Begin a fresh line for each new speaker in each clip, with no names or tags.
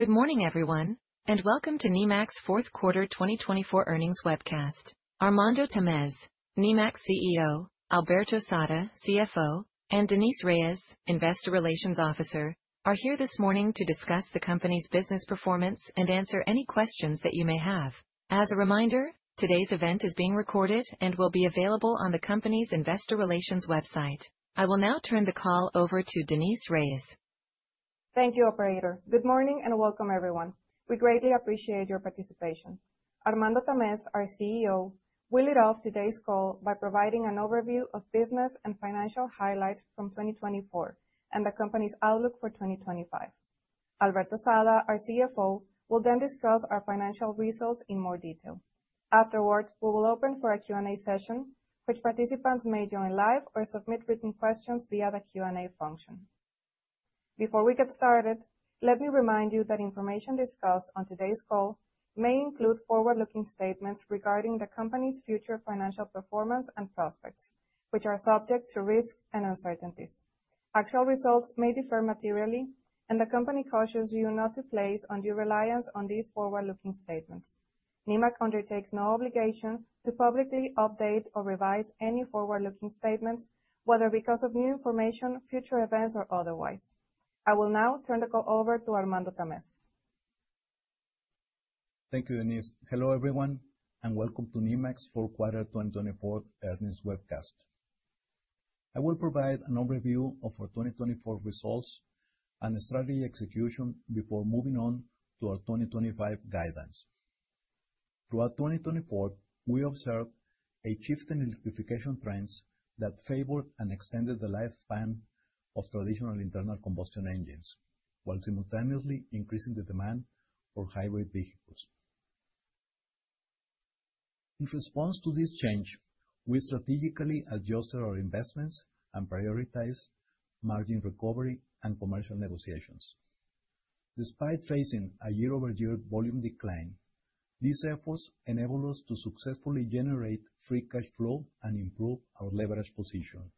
Good morning, everyone, and welcome to Nemak Fourth Quarter 2024 Earnings Webcast. Armando Tamez, Nemak CEO; Alberto Sada, CFO; and Denise Reyes, Investor Relations Officer, are here this morning to discuss the company's business performance and answer any questions that you may have. As a reminder, today's event is being recorded and will be available on the company's Investor Relations website. I will now turn the call over to Denise Reyes.
Thank you, Operator. Good morning and welcome, everyone. We greatly appreciate your participation. Armando Tamez, our CEO, will lead off today's call by providing an overview of business and financial highlights from 2024 and the company's outlook for 2025. Alberto Sada, our CFO, will then discuss our financial results in more detail. Afterwards, we will open for a Q&A session, which participants may join live or submit written questions via the Q&A function. Before we get started, let me remind you that information discussed on today's call may include forward-looking statements regarding the company's future financial performance and prospects, which are subject to risks and uncertainties. Actual results may differ materially, and the company cautions you not to place undue reliance on these forward-looking statements. Nemak undertakes no obligation to publicly update or revise any forward-looking statements, whether because of new information, future events, or otherwise. I will now turn the call over to Armando Tamez.
Thank you, Denise. Hello, everyone, and welcome to Nemak's fourth quarter 2024 earnings webcast. I will provide an overview of our 2024 results and strategy execution before moving on to our 2025 guidance. Throughout 2024, we observed a shift in electrification trends that favored and extended the lifespan of traditional internal combustion engines, while simultaneously increasing the demand for hybrid vehicles. In response to this change, we strategically adjusted our investments and prioritized margin recovery and commercial negotiations. Despite facing a year-over-year volume decline, these efforts enabled us to successfully generate free cash flow and improve our leverage position.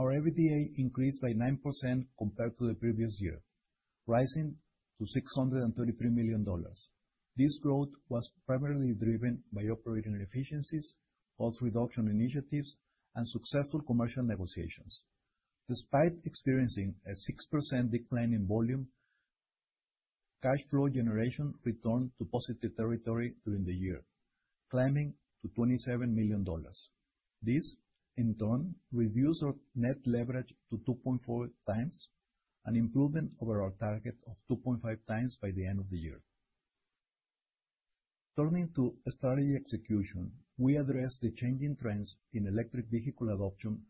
Our EBITDA increased by 9% compared to the previous year, rising to $633 million. This growth was primarily driven by operating efficiencies, cost reduction initiatives, and successful commercial negotiations. Despite experiencing a 6% decline in volume, cash flow generation returned to positive territory during the year, climbing to $27 million. This, in turn, reduced our net leverage to 2.4 times and improved over our target of 2.5 times by the end of the year. Turning to strategy execution, we addressed the changing trends in electric vehicle adoption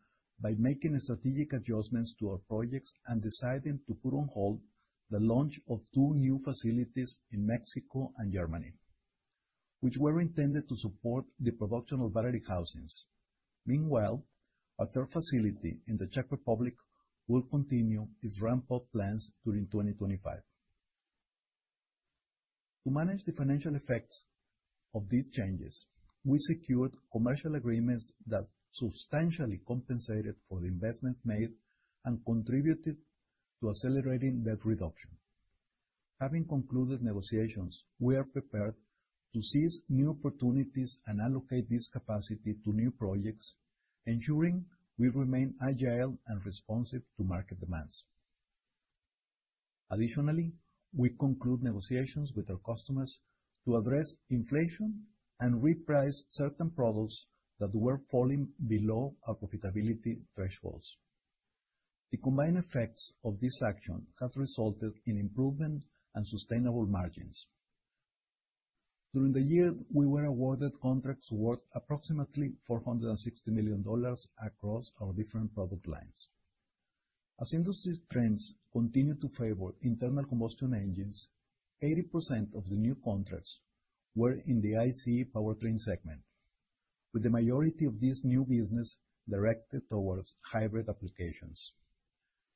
by making strategic adjustments to our projects and deciding to put on hold the launch of two new facilities in Mexico and Germany, which were intended to support the production of battery housings. Meanwhile, a third facility in the Czech Republic will continue its ramp-up plans during 2025. To manage the financial effects of these changes, we secured commercial agreements that substantially compensated for the investments made and contributed to accelerating debt reduction. Having concluded negotiations, we are prepared to seize new opportunities and allocate this capacity to new projects, ensuring we remain agile and responsive to market demands. Additionally, we conclude negotiations with our customers to address inflation and reprice certain products that were falling below our profitability thresholds. The combined effects of this action have resulted in improvement and sustainable margins. During the year, we were awarded contracts worth approximately $460 million across our different product lines. As industry trends continued to favor internal combustion engines, 80% of the new contracts were in the ICE powertrain segment, with the majority of this new business directed towards hybrid applications.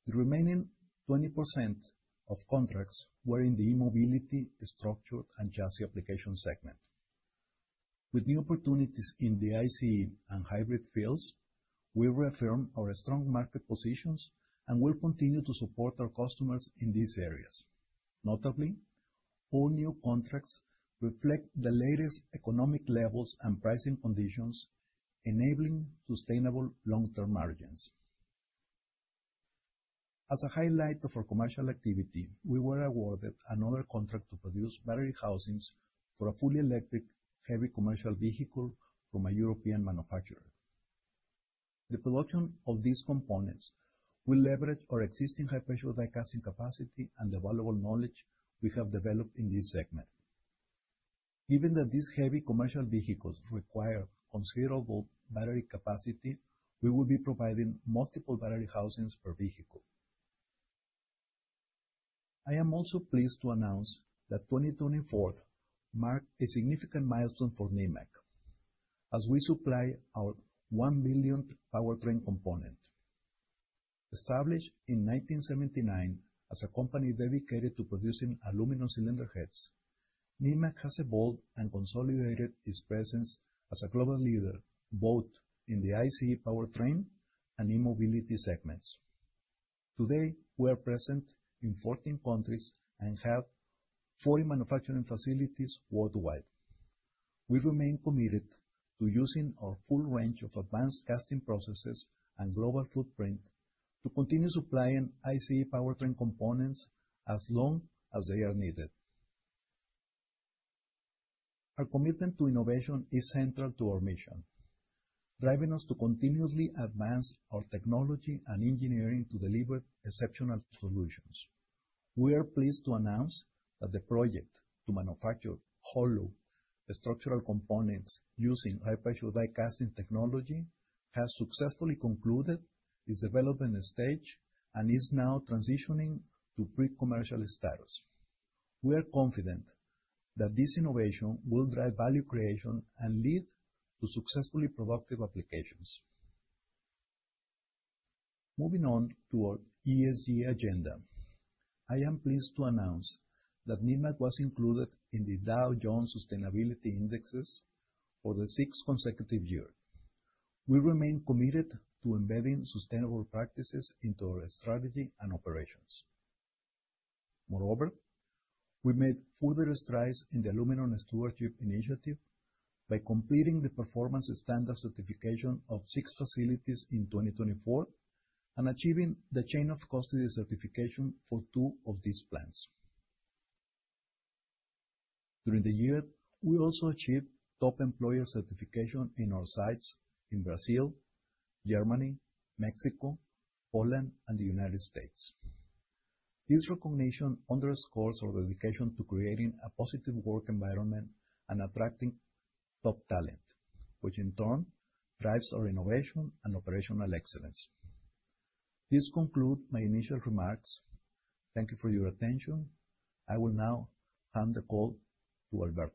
The remaining 20% of contracts were in the e-mobility structural and chassis application segment. With new opportunities in the ICE and hybrid fields, we reaffirm our strong market positions and will continue to support our customers in these areas. Notably, all new contracts reflect the latest economic levels and pricing conditions, enabling sustainable long-term margins. As a highlight of our commercial activity, we were awarded another contract to produce battery housings for a fully electric heavy commercial vehicle from a European manufacturer. The production of these components will leverage our existing high-pressure die-casting capacity and the valuable knowledge we have developed in this segment. Given that these heavy commercial vehicles require considerable battery capacity, we will be providing multiple battery housings per vehicle. I am also pleased to announce that 2024 marked a significant milestone for Nemak as we supply our 1 billionth powertrain component. Established in 1979 as a company dedicated to producing aluminum cylinder heads, Nemak has evolved and consolidated its presence as a global leader both in the ICE powertrain and e-mobility segments. Today, we are present in 14 countries and have 40 manufacturing facilities worldwide. We remain committed to using our full range of advanced casting processes and global footprint to continue supplying ICE powertrain components as long as they are needed. Our commitment to innovation is central to our mission, driving us to continually advance our technology and engineering to deliver exceptional solutions. We are pleased to announce that the project to manufacture hollow structural components using high-pressure die-casting technology has successfully concluded its development stage and is now transitioning to pre-commercial status. We are confident that this innovation will drive value creation and lead to successfully productive applications. Moving on to our ESG agenda, I am pleased to announce that Nemak was included in the Dow Jones Sustainability Indices for the sixth consecutive year. We remain committed to embedding sustainable practices into our strategy and operations. Moreover, we made further strides in the Aluminum Stewardship Initiative by completing the Performance Standard certification of six facilities in 2024 and achieving the Chain of Custody certification for two of these plants. During the year, we also achieved Top Employer Certification in our sites in Brazil, Germany, Mexico, Poland, and the United States. This recognition underscores our dedication to creating a positive work environment and attracting top talent, which in turn drives our innovation and operational excellence. This concludes my initial remarks. Thank you for your attention. I will now hand the call to Alberto.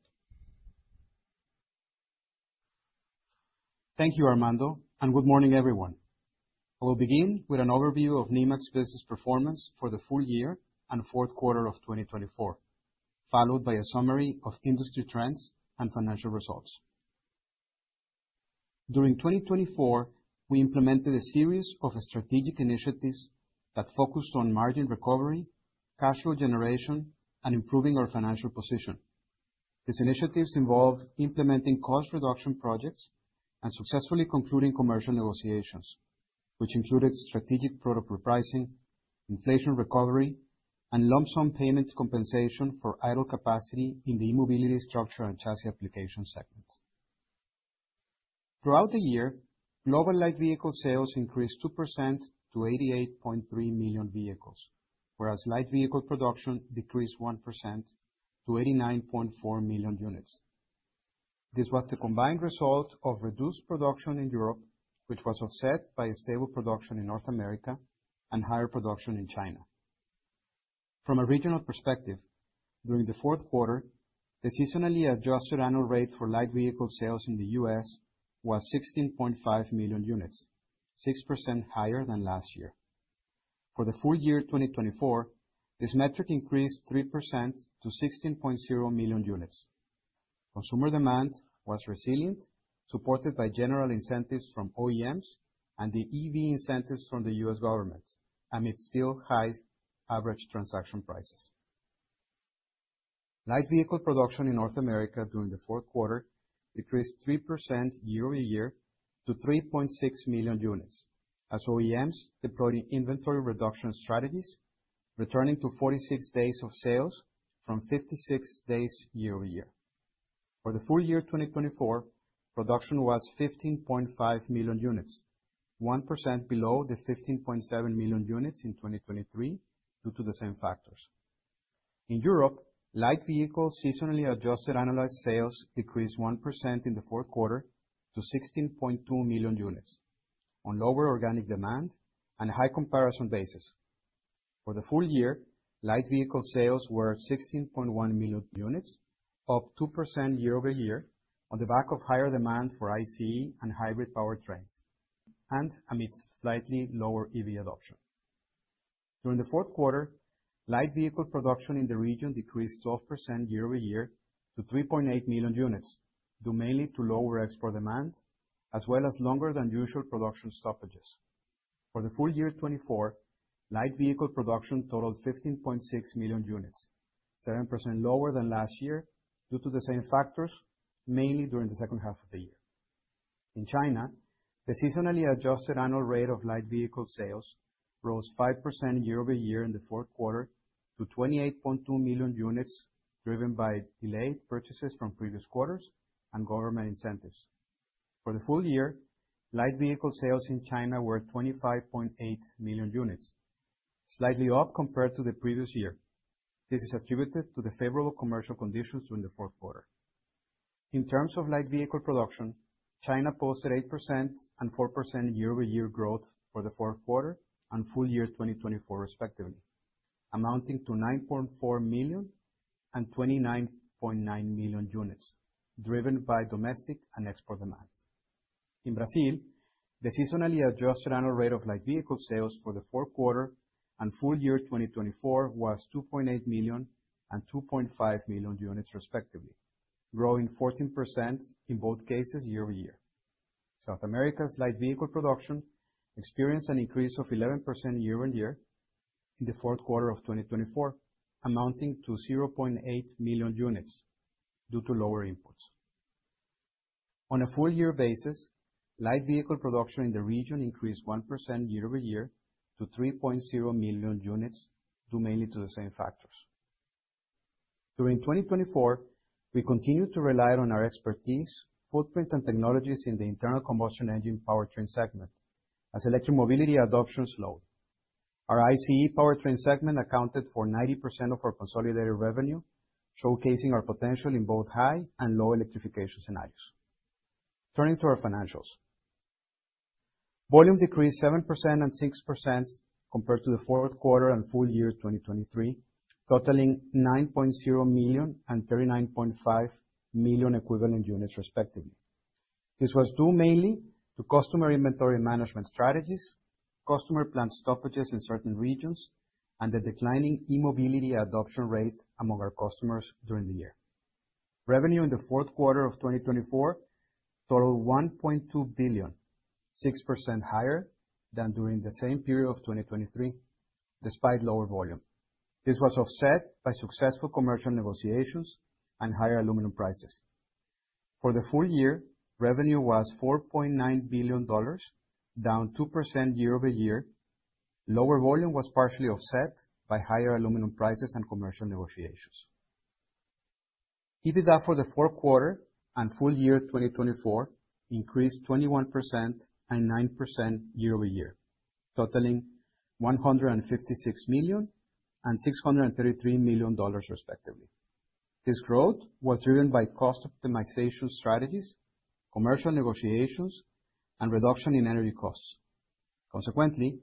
Thank you, Armando, and good morning, everyone. I will begin with an overview of Nemak business performance for the full year and fourth quarter of 2024, followed by a summary of industry trends and financial results. During 2024, we implemented a series of strategic initiatives that focused on margin recovery, cash flow generation, and improving our financial position. These initiatives involved implementing cost reduction projects and successfully concluding commercial negotiations, which included strategic product repricing, inflation recovery, and lump-sum payment compensation for idle capacity in the e-mobility structure and chassis application segments. Throughout the year, global light vehicle sales increased 2% to 88.3 million vehicles, whereas light vehicle production decreased 1% to 89.4 million units. This was the combined result of reduced production in Europe, which was offset by stable production in North America and higher production in China. From a regional perspective, during the fourth quarter, the seasonally adjusted annual rate for light vehicle sales in the U.S. was 16.5 million units, 6% higher than last year. For the full year 2024, this metric increased 3% to 16.0 million units. Consumer demand was resilient, supported by general incentives from OEMs and the EV incentives from the U.S. government amid still high average transaction prices. Light vehicle production in North America during the fourth quarter decreased 3% year-over-year to 3.6 million units, as OEMs deployed inventory reduction strategies, returning to 46 days of sales from 56 days year-over-year. For the full year 2024, production was 15.5 million units, 1% below the 15.7 million units in 2023 due to the same factors. In Europe, light vehicle seasonally adjusted annualized sales decreased 1% in the fourth quarter to 16.2 million units, on lower organic demand and a high comparison basis. For the full year, light vehicle sales were 16.1 million units, up 2% year-over-year on the back of higher demand for ICE and hybrid powertrains, and amid slightly lower EV adoption. During the fourth quarter, light vehicle production in the region decreased 12% year-over-year to 3.8 million units, due mainly to lower export demand as well as longer-than-usual production stoppages. For the full year 2024, light vehicle production totaled 15.6 million units, 7% lower than last year due to the same factors, mainly during the second half of the year. In China, the seasonally adjusted annual rate of light vehicle sales rose 5% year-over-year in the fourth quarter to 28.2 million units, driven by delayed purchases from previous quarters and government incentives. For the full year, light vehicle sales in China were 25.8 million units, slightly up compared to the previous year. This is attributed to the favorable commercial conditions during the fourth quarter. In terms of light vehicle production, China posted 8% and 4% year-over-year growth for the fourth quarter and full year 2024, respectively, amounting to 9.4 million and 29.9 million units, driven by domestic and export demand. In Brazil, the seasonally adjusted annual rate of light vehicle sales for the fourth quarter and full year 2024 was 2.8 million and 2.5 million units, respectively, growing 14% in both cases year-over-year. South America's light vehicle production experienced an increase of 11% year-over-year in the fourth quarter of 2024, amounting to 0.8 million units due to lower inputs. On a full-year basis, light vehicle production in the region increased 1% year-over-year to 3.0 million units, due mainly to the same factors. During 2024, we continued to rely on our expertise, footprint, and technologies in the internal combustion engine powertrain segment, as electric mobility adoption slowed. Our ICE powertrain segment accounted for 90% of our consolidated revenue, showcasing our potential in both high and low electrification scenarios. Turning to our financials, volume decreased 7% and 6% compared to the fourth quarter and full year 2023, totaling 9.0 million and 39.5 million equivalent units, respectively. This was due mainly to customer inventory management strategies, customer plant stoppages in certain regions, and the declining e-mobility adoption rate among our customers during the year. Revenue in the fourth quarter of 2024 totaled $1.2 billion, 6% higher than during the same period of 2023, despite lower volume. This was offset by successful commercial negotiations and higher aluminum prices. For the full year, revenue was $4.9 billion, down 2% year-over-year. Lower volume was partially offset by higher aluminum prices and commercial negotiations. EBITDA for the fourth quarter and full year 2024 increased 21% and 9% year-over-year, totaling $156 million and $633 million, respectively. This growth was driven by cost optimization strategies, commercial negotiations, and reduction in energy costs. Consequently,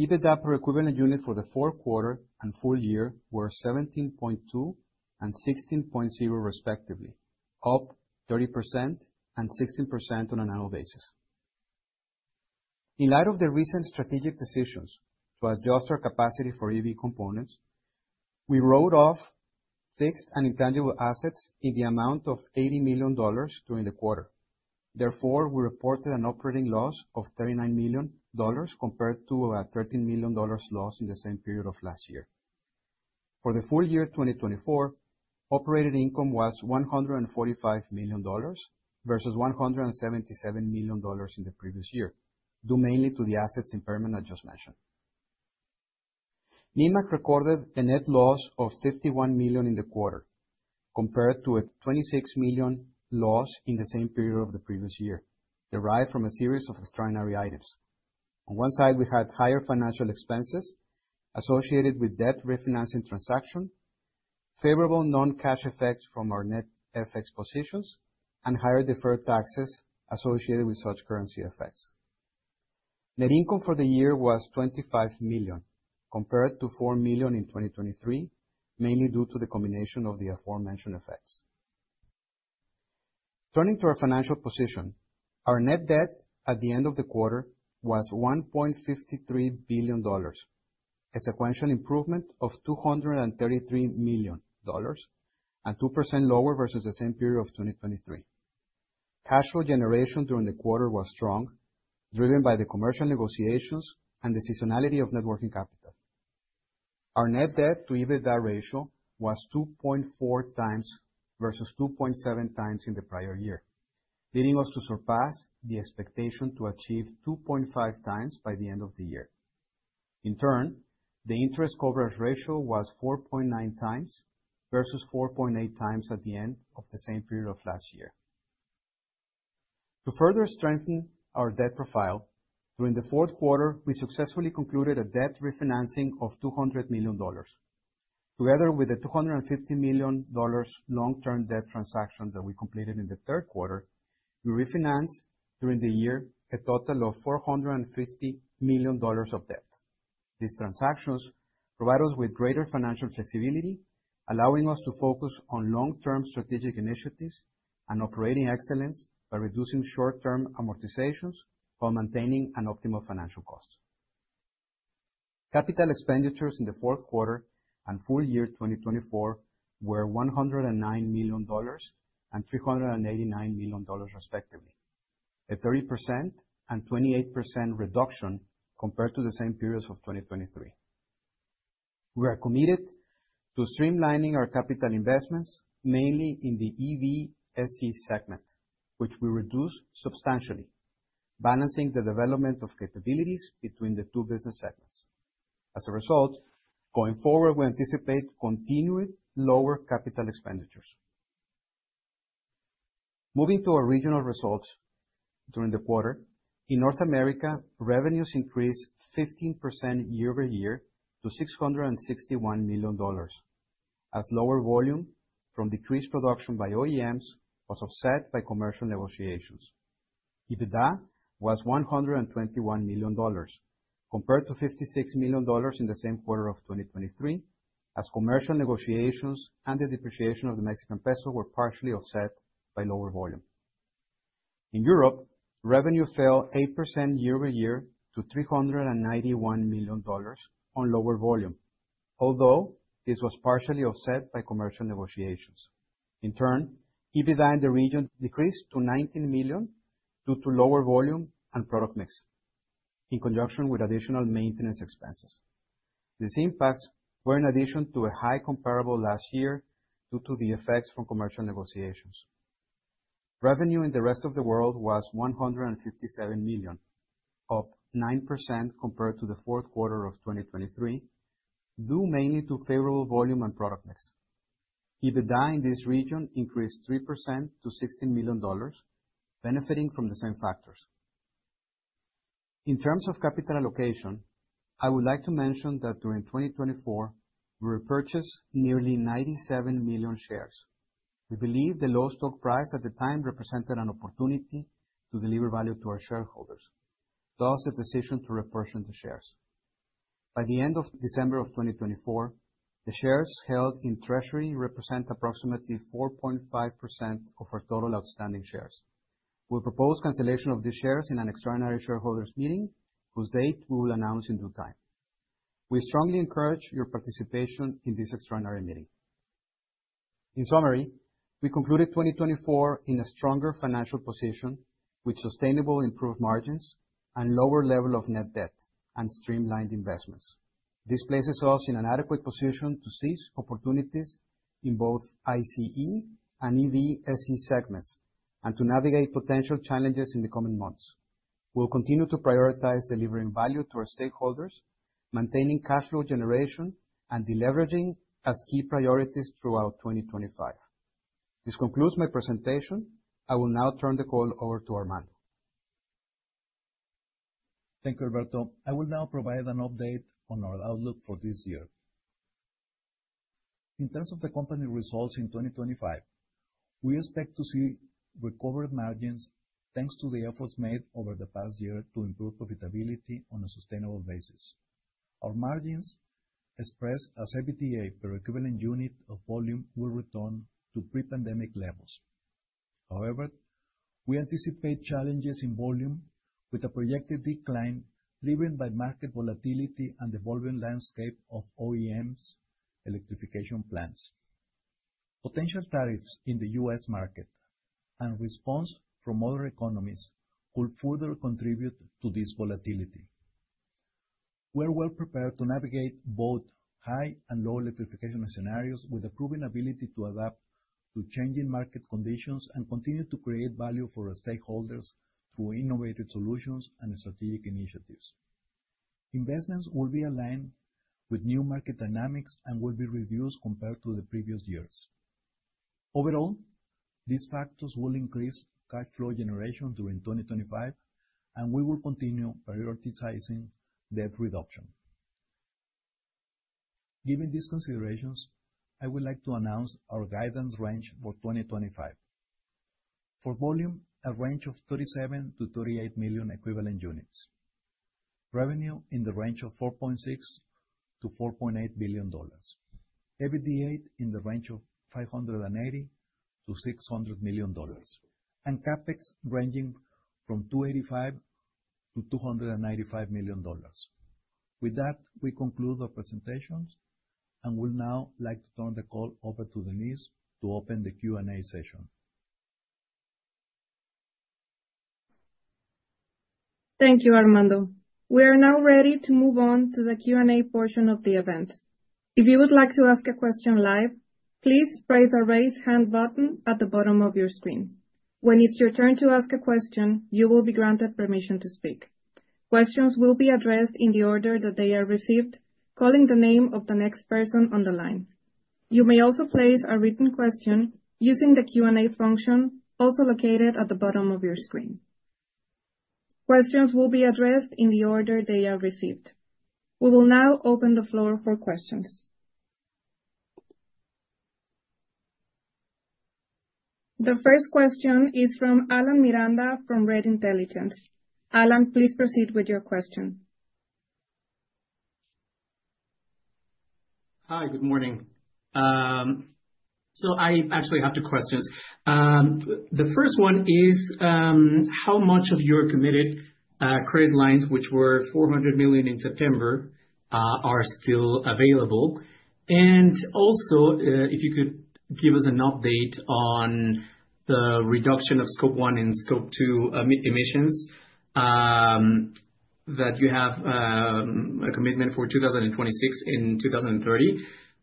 EBITDA per equivalent unit for the fourth quarter and full year were 17.2 and 16.0, respectively, up 30% and 16% on an annual basis. In light of the recent strategic decisions to adjust our capacity for EV components, we wrote off fixed and intangible assets in the amount of $80 million during the quarter. Therefore, we reported an operating loss of $39 million compared to a $13 million loss in the same period of last year. For the full year 2024, operating income was $145 million versus $177 million in the previous year, due mainly to the assets impairment I just mentioned. Nemak recorded a net loss of $51 million in the quarter compared to a $26 million loss in the same period of the previous year, derived from a series of extraordinary items. On one side, we had higher financial expenses associated with debt refinancing transactions, favorable non-cash effects from our net FX positions, and higher deferred taxes associated with such currency effects. Net income for the year was $25 million compared to $4 million in 2023, mainly due to the combination of the aforementioned effects. Turning to our financial position, our net debt at the end of the quarter was $1.53 billion, a sequential improvement of $233 million and 2% lower versus the same period of 2023. Cash flow generation during the quarter was strong, driven by the commercial negotiations and the seasonality of working capital. Our net debt to EBITDA ratio was 2.4 times versus 2.7 times in the prior year, leading us to surpass the expectation to achieve 2.5 times by the end of the year. In turn, the interest coverage ratio was 4.9 times versus 4.8 times at the end of the same period of last year. To further strengthen our debt profile, during the fourth quarter, we successfully concluded a debt refinancing of $200 million. Together with the $250 million long-term debt transaction that we completed inthe fourth quarter, we refinanced during the year a total of $450 million of debt. These transactions provide us with greater financial flexibility, allowing us to focus on long-term strategic initiatives and operating excellence by reducing short-term amortizations while maintaining an optimal financial cost. Capital expenditures in the fourth quarter and full year 2024 were $109 million and $389 million, respectively, a 30% and 28% reduction compared to the same periods of 2023. We are committed to streamlining our capital investments, mainly in the EV/SC segment, which we reduced substantially, balancing the development of capabilities between the two business segments. As a result, going forward, we anticipate continued lower capital expenditures. Moving to our regional results during the quarter, in North America, revenues increased 15% year-over-year to $661 million, as lower volume from decreased production by OEMs was offset by commercial negotiations. EBITDA was $121 million compared to $56 million in the same quarter of 2023, as commercial negotiations and the depreciation of the Mexican peso were partially offset by lower volume. In Europe, revenue fell 8% year-over-year to $391 million on lower volume, although this was partially offset by commercial negotiations. In turn, EBITDA in the region decreased to $19 million due to lower volume and product mix in conjunction with additional maintenance expenses. These impacts were in addition to a high comparable last year due to the effects from commercial negotiations. Revenue in the rest of the world was $157 million, up 9% compared to the fourth quarter of 2023, due mainly to favorable volume and product mix. EBITDA in this region increased 3% to $16 million, benefiting from the same factors. In terms of capital allocation, I would like to mention that during 2024, we repurchased nearly 97 million shares. We believe the low stock price at the time represented an opportunity to deliver value to our shareholders, thus a decision to repurchase the shares. By the end of December of 2024, the shares held in treasury represent approximately 4.5% of our total outstanding shares. We propose cancellation of these shares in an extraordinary shareholders' meeting, whose date we will announce in due time. We strongly encourage your participation in this extraordinary meeting. In summary, we concluded 2024 in a stronger financial position with sustainable improved margins and lower level of net debt and streamlined investments. This places us in an adequate position to seize opportunities in both ICE and EV/SC segments and to navigate potential challenges in the coming months. We will continue to prioritize delivering value to our stakeholders, maintaining cash flow generation, and deleveraging as key priorities throughout 2025. This concludes my presentation. I will now turn the call over to Armando.
Thank you, Alberto. I will now provide an update on our outlook for this year. In terms of the company results in 2025, we expect to see recovered margins thanks to the efforts made over the past year to improve profitability on a sustainable basis. Our margins express as EBITDA per equivalent unit of volume will return to pre-pandemic levels. However, we anticipate challenges in volume with a projected decline driven by market volatility and the evolving landscape of OEMs' electrification plans. Potential tariffs in the U.S. market and response from other economies could further contribute to this volatility. We are well prepared to navigate both high and low electrification scenarios with a proven ability to adapt to changing market conditions and continue to create value for our stakeholders through innovative solutions and strategic initiatives. Investments will be aligned with new market dynamics and will be reduced compared to the previous years. Overall, these factors will increase cash flow generation during 2025, and we will continue prioritizing debt reduction. Given these considerations, I would like to announce our guidance range for 2025. For volume, a range of $37-$38 million equivalent units, revenue in the range of $4.6-$4.8 billion, EBITDA in the range of $580-$600 million, and CapEx ranging from $285-$295 million. With that, we conclude our presentations, and we'd now like to turn the call over to Denise to open the Q&A session.
Thank you, Armando. We are now ready to move on to the Q&A portion of the event. If you would like to ask a question live, please press the raise hand button at the bottom of your screen. When it's your turn to ask a question, you will be granted permission to speak. Questions will be addressed in the order that they are received, calling the name of the next person on the line. You may also place a written question using the Q&A function also located at the bottom of your screen. Questions will be addressed in the order they are received. We will now open the floor for questions. The first question is from Alan Miranda from REDD Intelligence. Alan, please proceed with your question.
Hi, good morning. So I actually have two questions. The first one is, how much of your committed credit lines, which were $400 million in September, are still available? And also, if you could give us an update on the reduction of Scope 1 and Scope 2 emissions that you have a commitment for 2026 and 2030.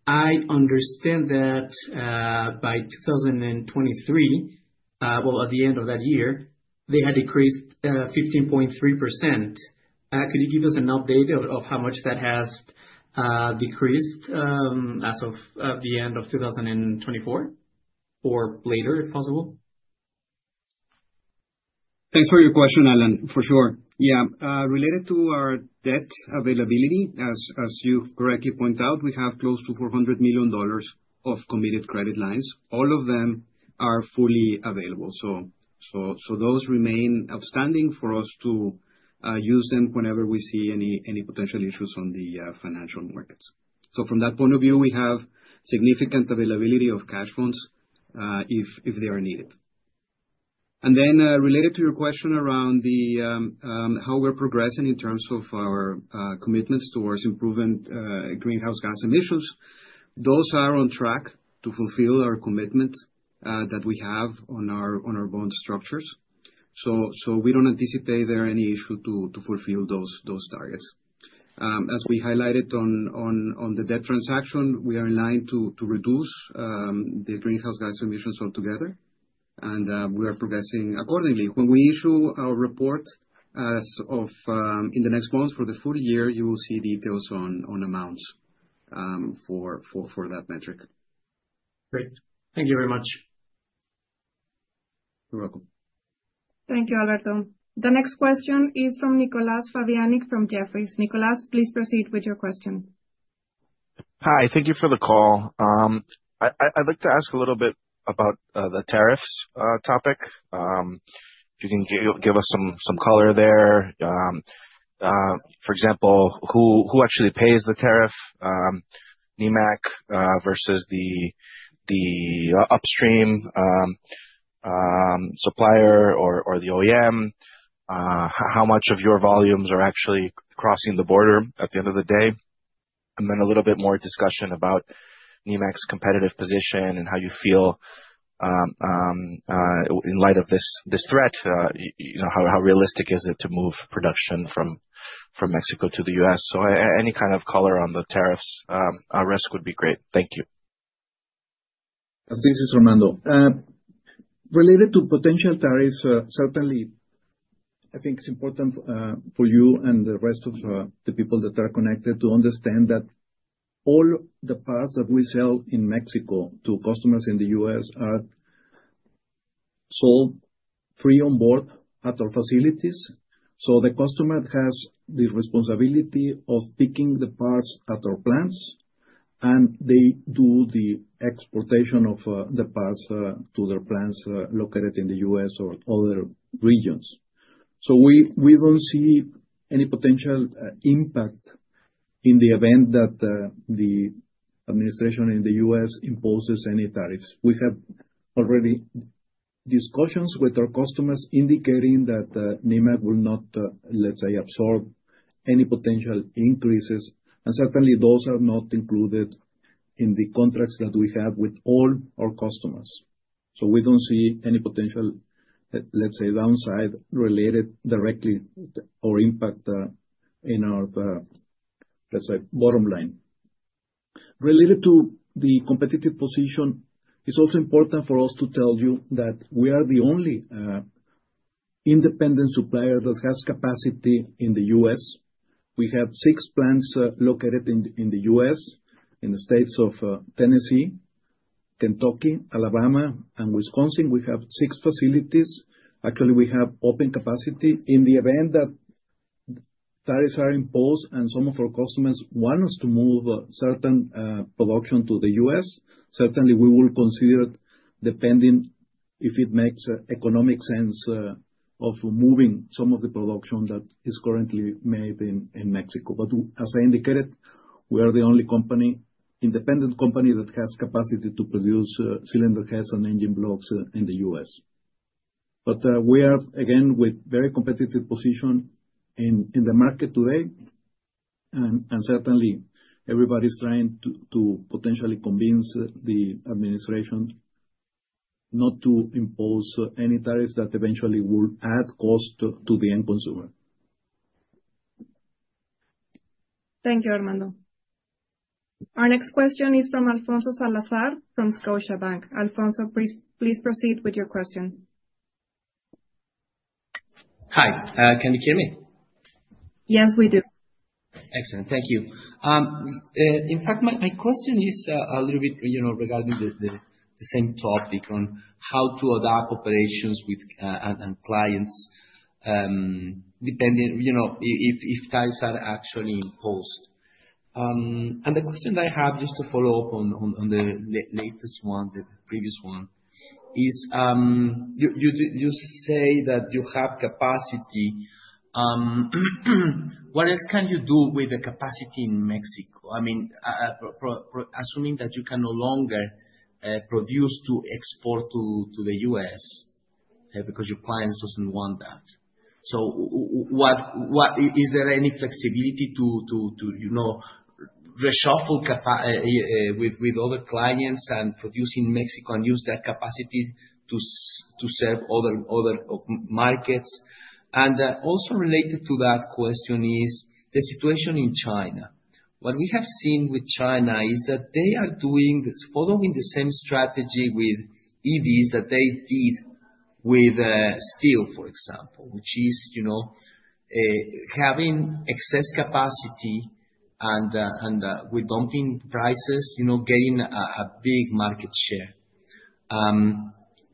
I understand that by 2023, well, at the end of that year, they had decreased 15.3%. Could you give us an update of how much that has decreased as of the end of 2024 or later, if possible?
Thanks for your question, Alan, for sure. Yeah, related to our debt availability, as you correctly point out, we have close to $400 million of committed credit lines. All of them are fully available. So those remain outstanding for us to use them whenever we see any potential issues on the financial markets. So from that point of view, we have significant availability of cash funds if they are needed. And then related to your question around how we're progressing in terms of our commitments towards improving greenhouse gas emissions, those are on track to fulfill our commitment that we have on our bond structures. So we don't anticipate there are any issues to fulfill those targets. As we highlighted on the debt transaction, we are in line to reduce the greenhouse gas emissions altogether, and we are progressing accordingly. When we issue our report in the next month for the full year, you will see details on amounts for that metric.
Great. Thank you very much.
You're welcome.
Thank you, Alberto. The next question is from Nicolas Fabiancic from Jefferies. Nicholas, please proceed with your question.
Hi, thank you for the call. I'd like to ask a little bit about the tariffs topic. If you can give us some color there. For example, who actually pays the tariff, Nemak versus the upstream supplier or the OEM? How much of your volumes are actually crossing the border at the end of the day? And then a little bit more discussion about Nemak's competitive position and how you feel in light of this threat, how realistic is it to move production from Mexico to the U.S.? So any kind of color on the tariffs risk would be great. Thank you.
Thanks, Armando. Related to potential tariffs, certainly, I think it's important for you and the rest of the people that are connected to understand that all the parts that we sell in Mexico to customers in the U.S. are sold free on board at our facilities. So the customer has the responsibility of picking the parts at our plants, and they do the exportation of the parts to their plants located in the U.S. or other regions. So we don't see any potential impact in the event that the administration in the U.S. imposes any tariffs. We have already discussions with our customers indicating that Nemak will not, let's say, absorb any potential increases. And certainly, those are not included in the contracts that we have with all our customers. So we don't see any potential, let's say, downside related directly or impact in our, let's say, bottom line. Related to the competitive position, it's also important for us to tell you that we are the only independent supplier that has capacity in the U.S. We have six plants located in the U.S., in the states of Tennessee, Kentucky, Alabama, and Wisconsin. We have six facilities. Actually, we have open capacity. In the event that tariffs are imposed and some of our customers want us to move certain production to the U.S., certainly, we will consider, depending if it makes economic sense, of moving some of the production that is currently made in Mexico. But as I indicated, we are the only independent company that has capacity to produce cylinder heads and engine blocks in the U.S. But we are, again, with a very competitive position in the market today. And certainly, everybody's trying to potentially convince the administration not to impose any tariffs that eventually will add cost to the end consumer.
Thank you, Armando. Our next question is from Alfonso Salazar from Scotiabank. Alfonso, please proceed with your question.
Hi, can you hear me?
Yes, we do.
Excellent. Thank you. In fact, my question is a little bit regarding the same topic on how to adapt operations with clients depending if tariffs are actually imposed. And the question that I have just to follow up on the latest one, the previous one, is you say that you have capacity. What else can you do with the capacity in Mexico? I mean, assuming that you can no longer produce to export to the U.S. because your clients don't want that. Is there any flexibility to reshuffle with other clients and produce in Mexico and use that capacity to serve other markets? Also related to that question is the situation in China. What we have seen with China is that they are following the same strategy with EVs that they did with steel, for example, which is having excess capacity and with dumping prices, gaining a big market share.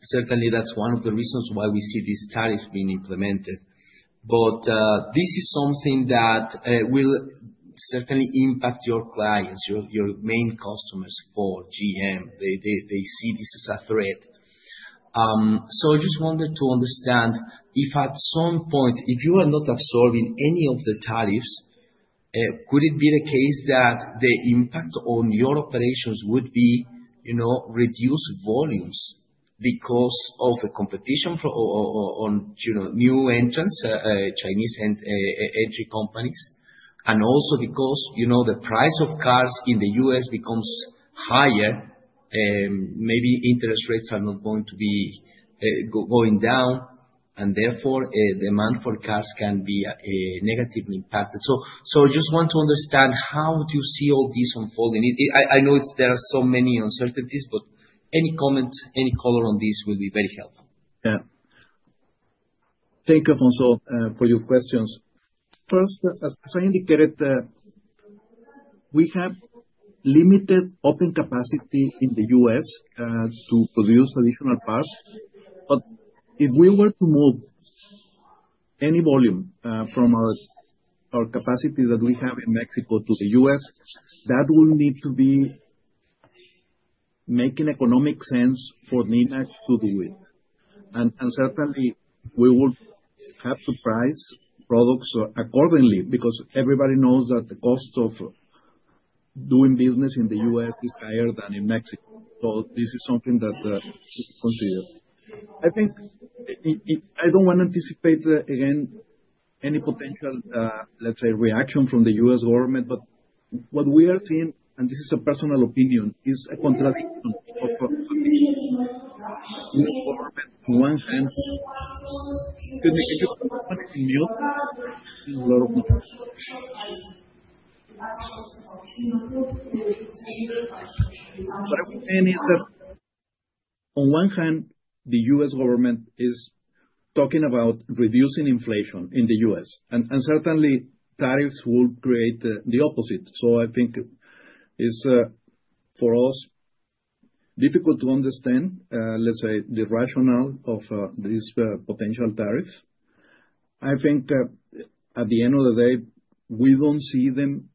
Certainly, that's one of the reasons why we see these tariffs being implemented. But this is something that will certainly impact your clients, your main customers for GM. They see this as a threat. So I just wanted to understand if at some point, if you are not absorbing any of the tariffs, could it be the case that the impact on your operations would be reduced volumes because of the competition on new entrants, Chinese entry companies, and also because the price of cars in the U.S. becomes higher, maybe interest rates are not going to be going down, and therefore demand for cars can be negatively impacted? So I just want to understand how do you see all this unfolding. I know there are so many uncertainties, but any comment, any color on this will be very helpful. Yeah.
Thank you, Alfonso, for your questions. First, as I indicated, we have limited open capacity in the U.S. to produce additional parts. But if we were to move any volume from our capacity that we have in Mexico to the U.S., that will need to be making economic sense for Nemak to do it. And certainly, we will have to price products accordingly because everybody knows that the cost of doing business in the U.S. is higher than in Mexico. So this is something that we should consider. I don't want to anticipate, again, any potential, let's say, reaction from the U.S. government. But what we are seeing, and this is a personal opinion, is a contradiction of the U.S. government on one hand. Can you make me mute? So what I'm saying is that on one hand, the U.S. government is talking about reducing inflation in the U.S. And certainly, tariffs will create the opposite. I think it's for us difficult to understand, let's say, the rationale of these potential tariffs. I think at the end of the day, we don't see them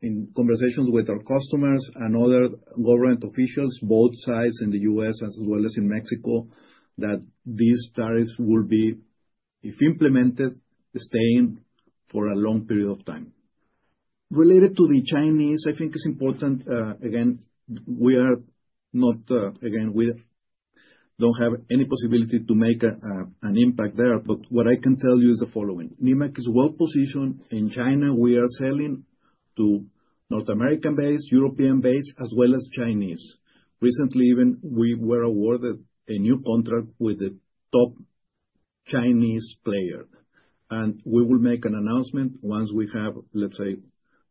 in conversations with our customers and other government officials, both sides in the U.S. as well as in Mexico, that these tariffs will be, if implemented, staying for a long period of time. Related to the Chinese, I think it's important. Again, we are not, we don't have any possibility to make an impact there. But what I can tell you is the following. Nemak is well positioned in China. We are selling to North American-based, European-based, as well as Chinese. Recently, even we were awarded a new contract with the top Chinese player. We will make an announcement once we have, let's say,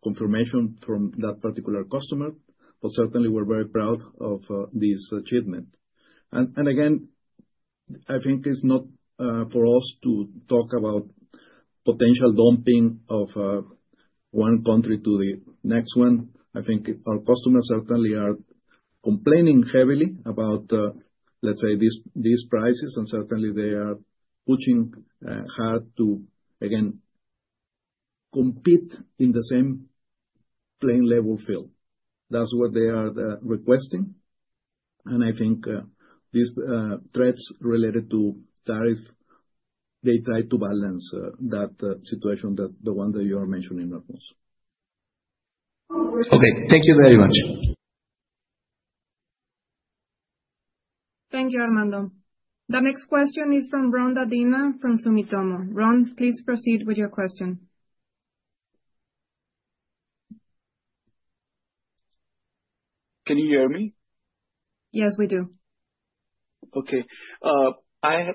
confirmation from that particular customer. But certainly, we're very proud of this achievement. And again, I think it's not for us to talk about potential dumping of one country to the next one. I think our customers certainly are complaining heavily about, let's say, these prices. And certainly, they are pushing hard to, again, compete in the same playing level field. That's what they are requesting. And I think these threats related to tariffs, they try to balance that situation that the one that you are mentioning, Alfonso.
Okay. Thank you very much.
Thank you, Armando. The next question is from Ron Dadina from Sumitomo. Ron, please proceed with your question.
Can you hear me? Yes, we do. Okay.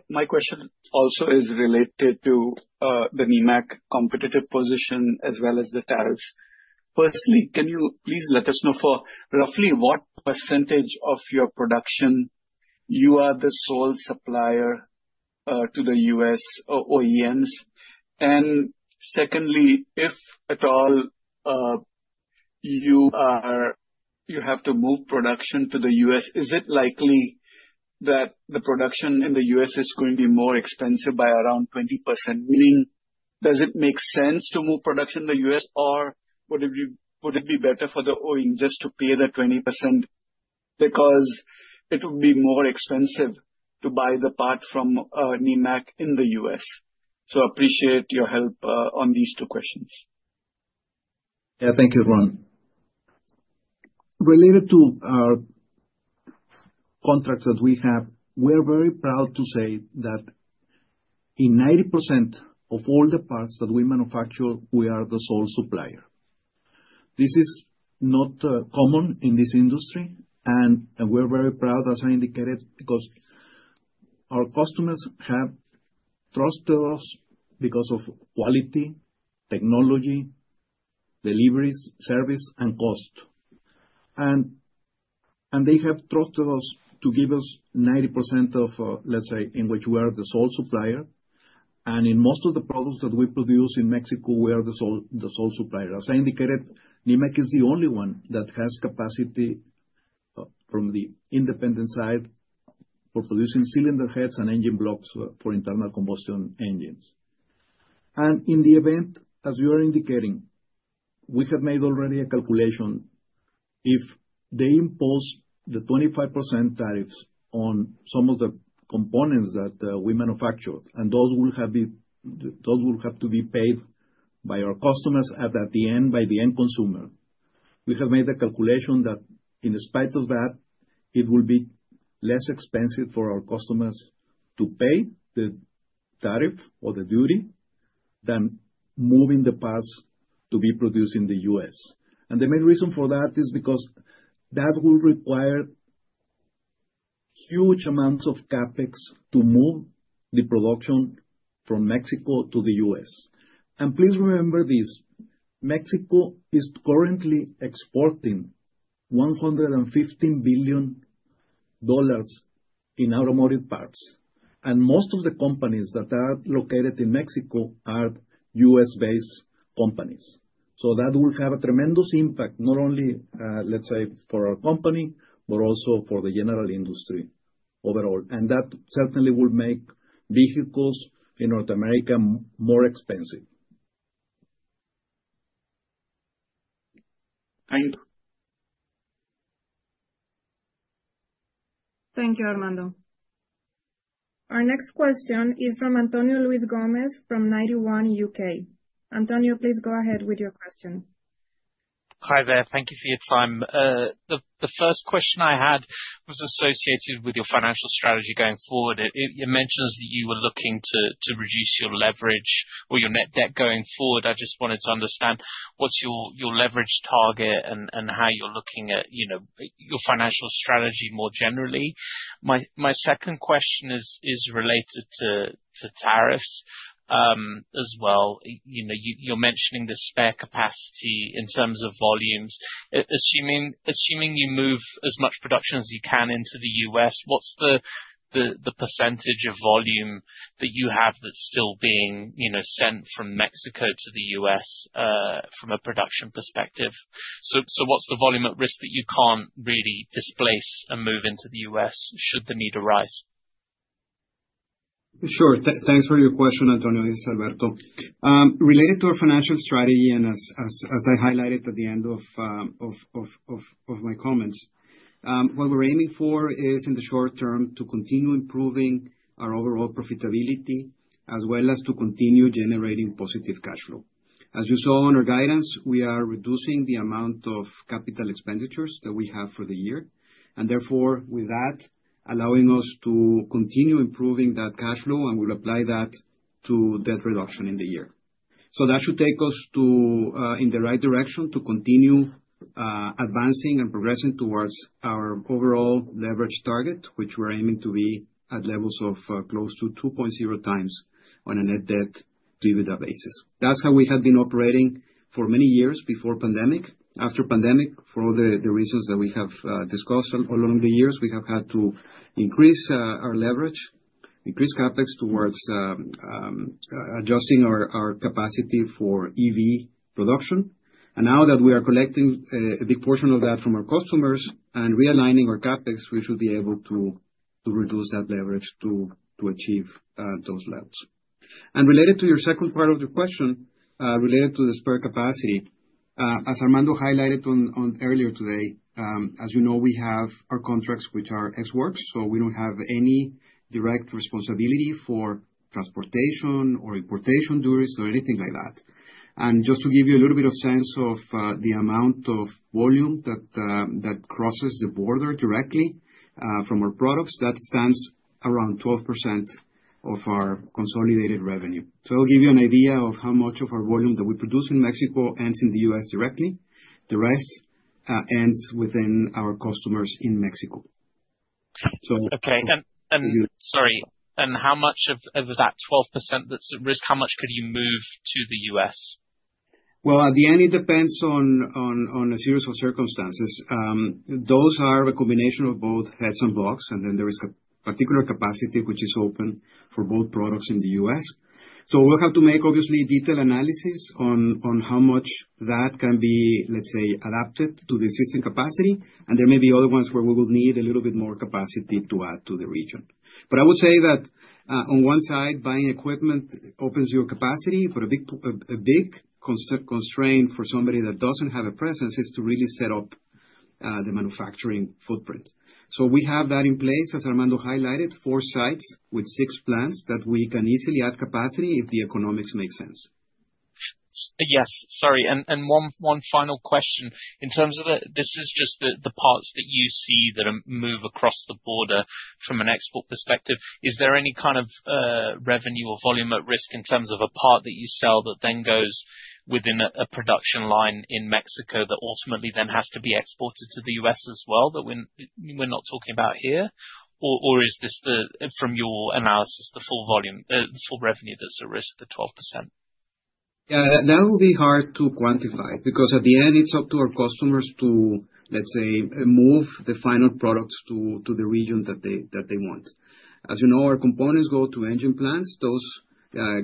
My question also is related to the Nemak's competitive position as well as the tariffs. Firstly, can you please let us know for roughly what percentage of your production you are the sole supplier to the U.S. OEMs? Secondly, if at all, you have to move production to the U.S., is it likely that the production in the U.S. is going to be more expensive by around 20%? Meaning, does it make sense to move production to the U.S., or would it be better for the OEM just to pay the 20% because it would be more expensive to buy the part from Nemak in the U.S.? I appreciate your help on these two questions.
Yeah. Thank you, Ron. Related to our contracts that we have, we are very proud to say that in 90% of all the parts that we manufacture, we are the sole supplier. This is not common in this industry. We're very proud, as I indicated, because our customers have trusted us because of quality, technology, deliveries, service, and cost. They have trusted us to give us 90% of, let's say, in which we are the sole supplier. In most of the products that we produce in Mexico, we are the sole supplier. As I indicated, Nemak is the only one that has capacity from the independent side for producing cylinder heads and engine blocks for internal combustion engines. In the event, as you are indicating, we have made already a calculation. If they impose the 25% tariffs on some of the components that we manufacture, and those will have to be paid by our customers at the end by the end consumer, we have made the calculation that in spite of that, it will be less expensive for our customers to pay the tariff or the duty than moving the parts to be produced in the U.S. And the main reason for that is because that will require huge amounts of CapEx to move the production from Mexico to the U.S. And please remember this. Mexico is currently exporting $115 billion in automotive parts. And most of the companies that are located in Mexico are U.S.-based companies. So that will have a tremendous impact, not only, let's say, for our company, but also for the general industry overall. And that certainly will make vehicles in North America more expensive.
Thank you.
Thank you, Armando. Our next question is from Antonio Luiz Gomes from Ninety One UK. Antonio, please go ahead with your question.
Hi there. Thank you for your time. The first question I had was associated with your financial strategy going forward. It mentions that you were looking to reduce your leverage or your net debt going forward. I just wanted to understand what's your leverage target and how you're looking at your financial strategy more generally. My second question is related to tariffs as well. You're mentioning the spare capacity in terms of volumes. Assuming you move as much production as you can into the U.S., what's the percentage of volume that you have that's still being sent from Mexico to the U.S. from a production perspective? So what's the volume at risk that you can't really displace and move into the U.S. should the need arise?
Sure. Thanks for your question, Antonio Luiz Gomes. Related to our financial strategy, and as I highlighted at the end of my comments, what we're aiming for is in the short term to continue improving our overall profitability as well as to continue generating positive cash flow. As you saw on our guidance, we are reducing the amount of CapEx that we have for the year. And therefore, with that, allowing us to continue improving that cash flow, and we'll apply that to debt reduction in the year. So that should take us in the right direction to continue advancing and progressing towards our overall leverage target, which we're aiming to be at levels of close to 2.0 times on a net debt to EBITDA basis. That's how we had been operating for many years before pandemic. After pandemic, for all the reasons that we have discussed along the years, we have had to increase our leverage, increase CapEx towards adjusting our capacity for EV production. And now that we are collecting a big portion of that from our customers and realigning our CapEx, we should be able to reduce that leverage to achieve those levels. Related to your second part of the question related to the spare capacity, as Armando highlighted earlier today, as you know, we have our contracts which are ex works. So we don't have any direct responsibility for transportation or importation duties or anything like that. And just to give you a little bit of sense of the amount of volume that crosses the border directly from our products, that stands around 12% of our consolidated revenue. So it'll give you an idea of how much of our volume that we produce in Mexico ends in the U.S. directly. The rest ends within our customers in Mexico.
Okay. And sorry. How much of that 12% that's at risk, how much could you move to the U.S.?
At the end, it depends on a series of circumstances. Those are a combination of both heads and blocks, and then there is a particular capacity which is open for both products in the U.S. So we'll have to make, obviously, detailed analysis on how much that can be, let's say, adapted to the existing capacity. And there may be other ones where we will need a little bit more capacity to add to the region. But I would say that on one side, buying equipment opens your capacity. But a big constraint for somebody that doesn't have a presence is to really set up the manufacturing footprint. So we have that in place, as Armando highlighted, four sites with six plants that we can easily add capacity if the economics make sense.
Yes. Sorry. And one final question. In terms of this is just the parts that you see that move across the border from an export perspective. Is there any kind of revenue or volume at risk in terms of a part that you sell that then goes within a production line in Mexico that ultimately then has to be exported to the U.S. as well that we're not talking about here? Or is this, from your analysis, the full volume, the full revenue that's at risk, the 12%?
Yeah. That will be hard to quantify because at the end, it's up to our customers to, let's say, move the final products to the region that they want. As you know, our components go to engine plants. Those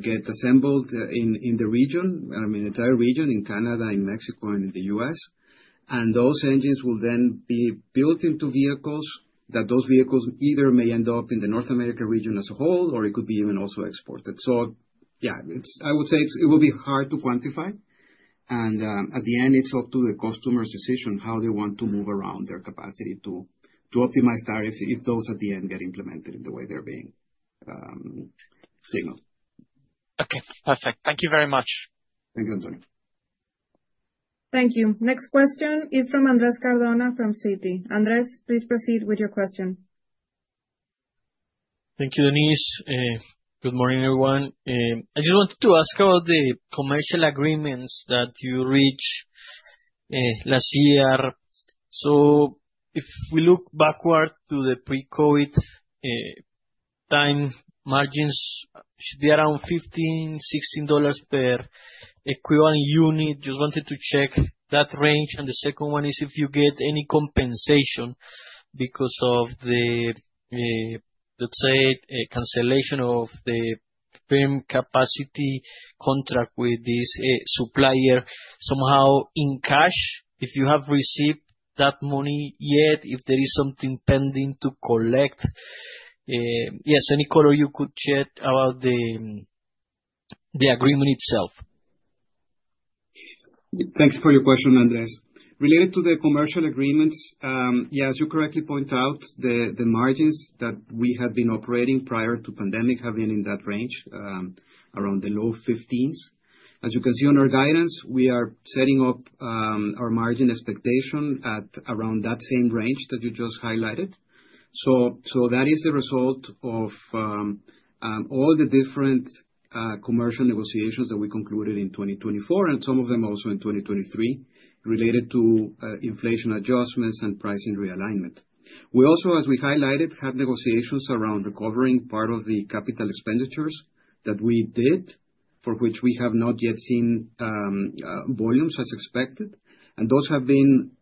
get assembled in the region, I mean, the entire region in Canada, in Mexico, and in the U.S. And those engines will then be built into vehicles that those vehicles either may end up in the North America region as a whole, or it could be even also exported. So yeah, I would say it will be hard to quantify. And at the end, it's up to the customer's decision how they want to move around their capacity to optimize tariffs if those at the end get implemented in the way they're being signaled.
Okay. Perfect. Thank you very much.
Thank you, Antonio.
Thank you. Next question is from Andrés Cardona from Citi. Andrés, please proceed with your question.
Thank you, Denise. Good morning, everyone. I just wanted to ask about the commercial agreements that you reached last year. So if we look backward to the pre-COVID time, margins should be around $15-$16 per equivalent unit. Just wanted to check that range. And the second one is if you get any compensation because of the, let's say, cancellation of the firm capacity contract with this supplier somehow in cash. If you have received that money yet, if there is something pending to collect? Yes. Any color you could share about the agreement itself?
Thank you for your question, Andrés. Related to the commercial agreements, yeah, as you correctly point out, the margins that we had been operating prior to pandemic have been in that range, around the low 15s. As you can see on our guidance, we are setting up our margin expectation at around that same range that you just highlighted. So that is the result of all the different commercial negotiations that we concluded in 2024, and some of them also in 2023, related to inflation adjustments and pricing realignment. We also, as we highlighted, had negotiations around recovering part of the capital expenditures that we did, for which we have not yet seen volumes as expected. And those have been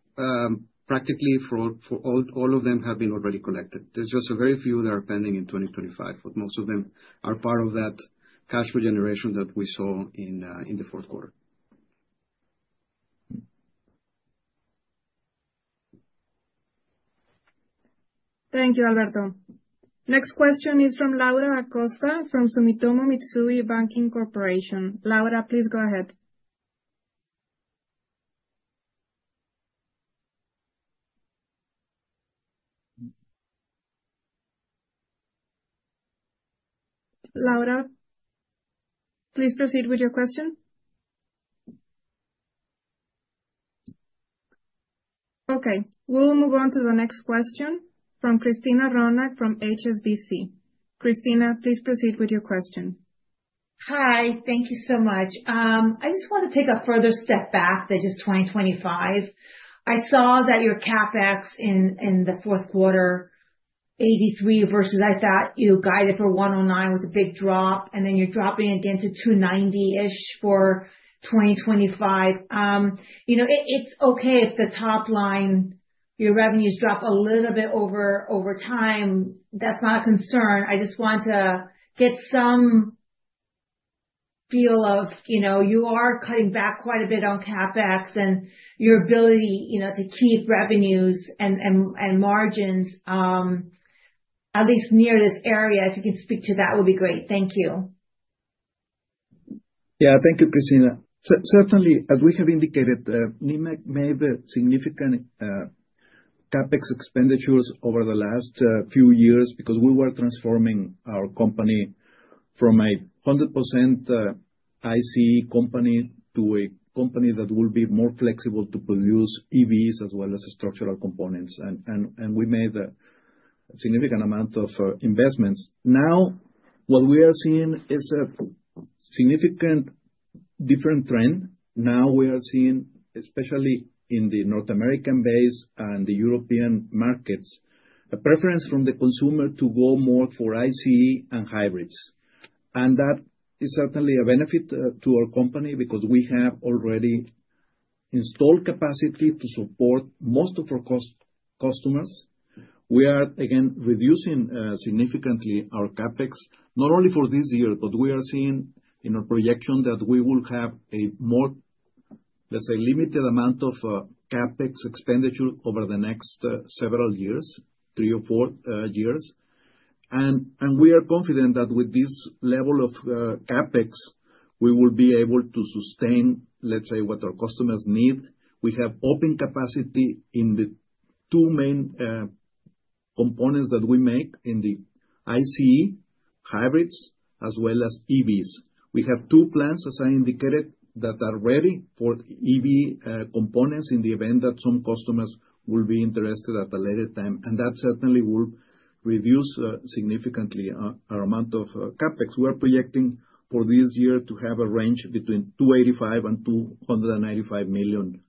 practically for all of them have been already collected. There's just a very few that are pending in 2025, but most of them are part of that cash regeneration that we saw in the fourth quarter.
Thank you, Alberto. Next question is from Laura Acosta from Sumitomo Mitsui Banking Corporation. Laura, please go ahead. Laura, please proceed with your question. Okay. We'll move on to the next question from Christina Ronac from HSBC. Christina, please proceed with your question.
Hi. Thank you so much. I just want to take a further step back to just 2025. I saw that your CapEx in the fourth quarter, 83 versus I thought you guided for 109, was a big drop, and then you're dropping again to 290-ish for 2025. It's okay if the top line, your revenues drop a little bit over time. That's not a concern. I just want to get some feel of you are cutting back quite a bit on CapEx and your ability to keep revenues and margins at least near this area. If you can speak to that, it would be great. Thank you.
Yeah. Thank you, Christina. Certainly, as we have indicated, Nemak made significant CapEx expenditures over the last few years because we were transforming our company from a 100% ICE company to a company that will be more flexible to produce EVs as well as structural components, and we made a significant amount of investments. Now, what we are seeing is a significantly different trend. Now we are seeing, especially in the North American base and the European markets, a preference from the consumer to go more for ICE and hybrids. And that is certainly a benefit to our company because we have already installed capacity to support most of our customers. We are, again, reducing significantly our CapEx, not only for this year, but we are seeing in our projection that we will have a more, let's say, limited amount of CapEx expenditure over the next several years, three or four years. And we are confident that with this level of CapEx, we will be able to sustain, let's say, what our customers need. We have open capacity in the two main components that we make in the ICE, hybrids, as well as EVs. We have two plants, as I indicated, that are ready for EV components in the event that some customers will be interested at a later time. And that certainly will reduce significantly our amount of CapEx. We are projecting for this year to have a range between $285 million and $295 million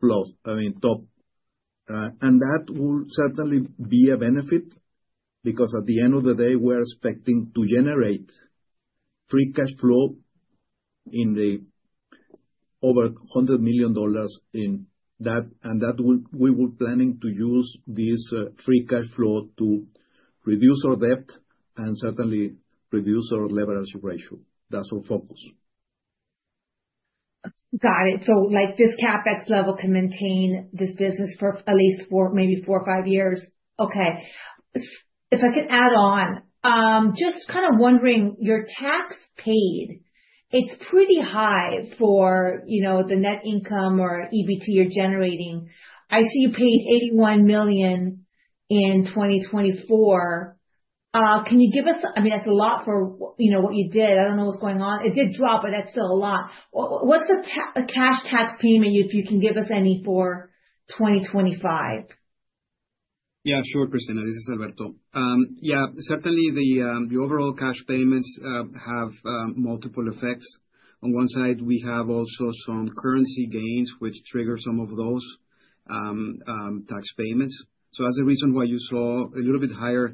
plus. I mean, top. That will certainly be a benefit because at the end of the day, we are expecting to generate free cash flow in the over $100 million in that. We were planning to use this free cash flow to reduce our debt and certainly reduce our leverage ratio. That's our focus.
Got it. So this CapEx level can maintain this business for at least maybe four or five years. Okay. If I can add on, just kind of wondering, your taxes paid. It's pretty high for the net income or EBT you're generating. I see you paid $81 million in 2024. Can you give us? I mean, that's a lot for what you did. I don't know what's going on. It did drop, but that's still a lot. What’s a cash tax payment, if you can give us any for 2025?
Yeah. Sure, Christina. This is Alberto. Yeah. Certainly, the overall cash payments have multiple effects. On one side, we have also some currency gains, which trigger some of those tax payments. So that’s the reason why you saw a little bit higher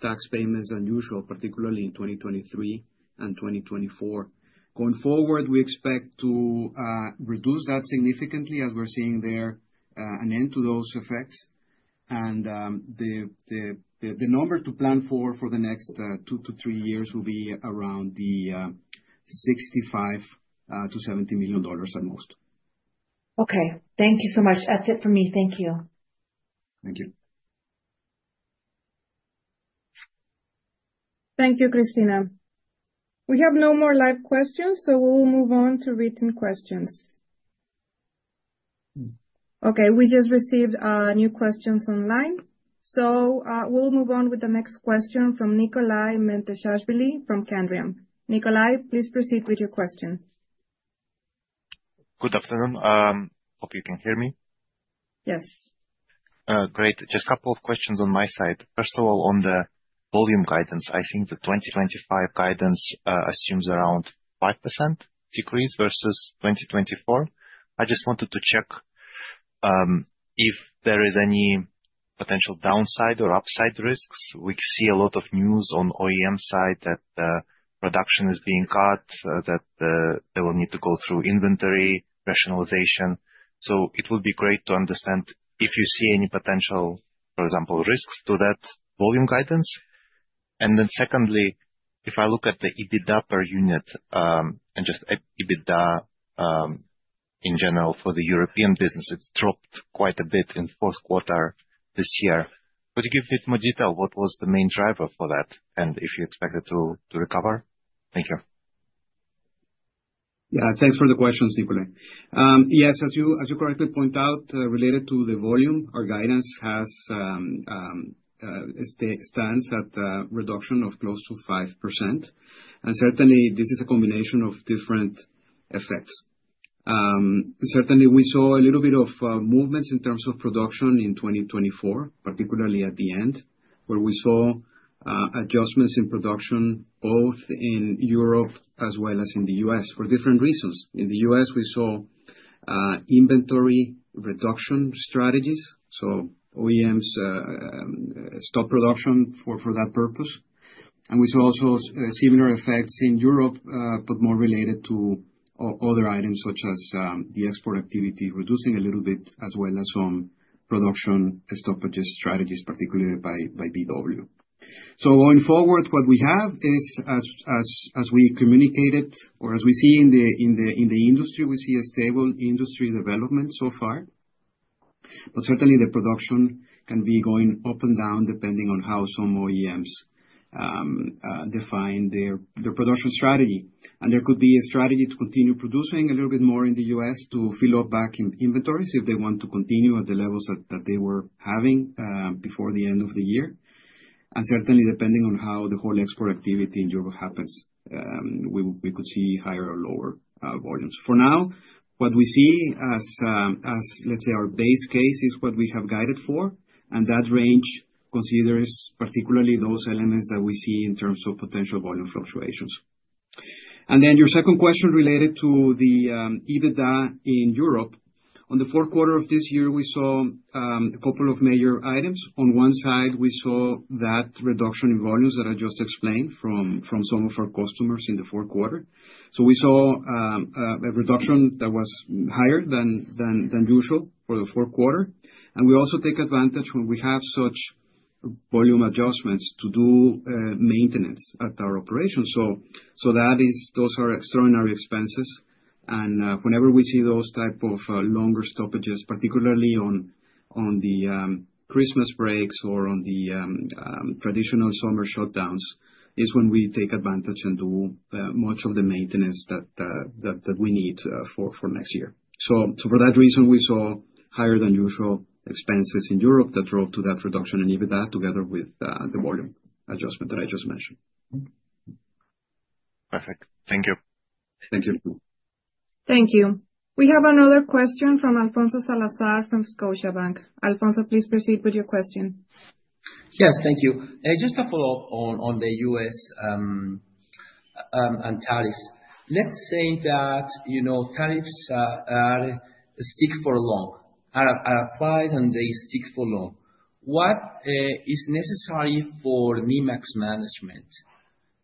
tax payments than usual, particularly in 2023 and 2024. Going forward, we expect to reduce that significantly as we’re seeing there an end to those effects, and the number to plan for the next two to three years will be around the $65 million-$70 million at most.
Okay. Thank you so much. That’s it for me. Thank you.
Thank you.
Thank you, Christina. We have no more live questions, so we’ll move on to written questions. Okay. We just received new questions online. So we'll move on with the next question from Nikolay Menteshashvili from Kempen & Co. Nikolay, please proceed with your question.
Good afternoon. Hope you can hear me.
Yes.
Great. Just a couple of questions on my side. First of all, on the volume guidance, I think the 2025 guidance assumes around 5% decrease versus 2024. I just wanted to check if there is any potential downside or upside risks. We see a lot of news on OEM side that production is being cut, that they will need to go through inventory rationalization. So it would be great to understand if you see any potential, for example, risks to that volume guidance. And then secondly, if I look at the EBITDA per unit and just EBITDA in general for the European business, it's dropped quite a bit in fourth quarter this year. Could you give a bit more detail? What was the main driver for that? And if you expect it to recover? Thank you.
Yeah. Thanks for the question, Nikolai. Yes. As you correctly point out, related to the volume, our guidance has a stance at reduction of close to 5%. And certainly, this is a combination of different effects. Certainly, we saw a little bit of movements in terms of production in 2024, particularly at the end, where we saw adjustments in production both in Europe as well as in the U.S. for different reasons. In the U.S., we saw inventory reduction strategies, so OEMs stopped production for that purpose. And we saw also similar effects in Europe, but more related to other items such as the export activity reducing a little bit as well as some production stoppages strategies, particularly by VW. Going forward, what we have is, as we communicated, or as we see in the industry, we see a stable industry development so far. But certainly, the production can be going up and down depending on how some OEMs define their production strategy. And there could be a strategy to continue producing a little bit more in the U.S. to fill up back inventories if they want to continue at the levels that they were having before the end of the year. And certainly, depending on how the whole export activity in Europe happens, we could see higher or lower volumes. For now, what we see as, let's say, our base case is what we have guided for. And that range considers particularly those elements that we see in terms of potential volume fluctuations. And then your second question related to the EBITDA in Europe, on the fourth quarter of this year, we saw a couple of major items. On one side, we saw that reduction in volumes that I just explained from some of our customers in the fourth quarter. So we saw a reduction that was higher than usual for the fourth quarter. And we also take advantage when we have such volume adjustments to do maintenance at our operations. So those are extraordinary expenses. And whenever we see those types of longer stoppages, particularly on the Christmas breaks or on the traditional summer shutdowns, is when we take advantage and do much of the maintenance that we need for next year. So for that reason, we saw higher than usual expenses in Europe that drove to that reduction in EBITDA together with the volume adjustment that I just mentioned.
Perfect. Thank you.
Thank you.
Thank you. We have another question from Alfonso Salazar from Scotiabank. Alfonso, please proceed with your question.
Yes. Thank you. Just a follow-up on the U.S. and tariffs. Let's say that tariffs stick for long, are applied, and they stick for long. What is necessary for Nemak management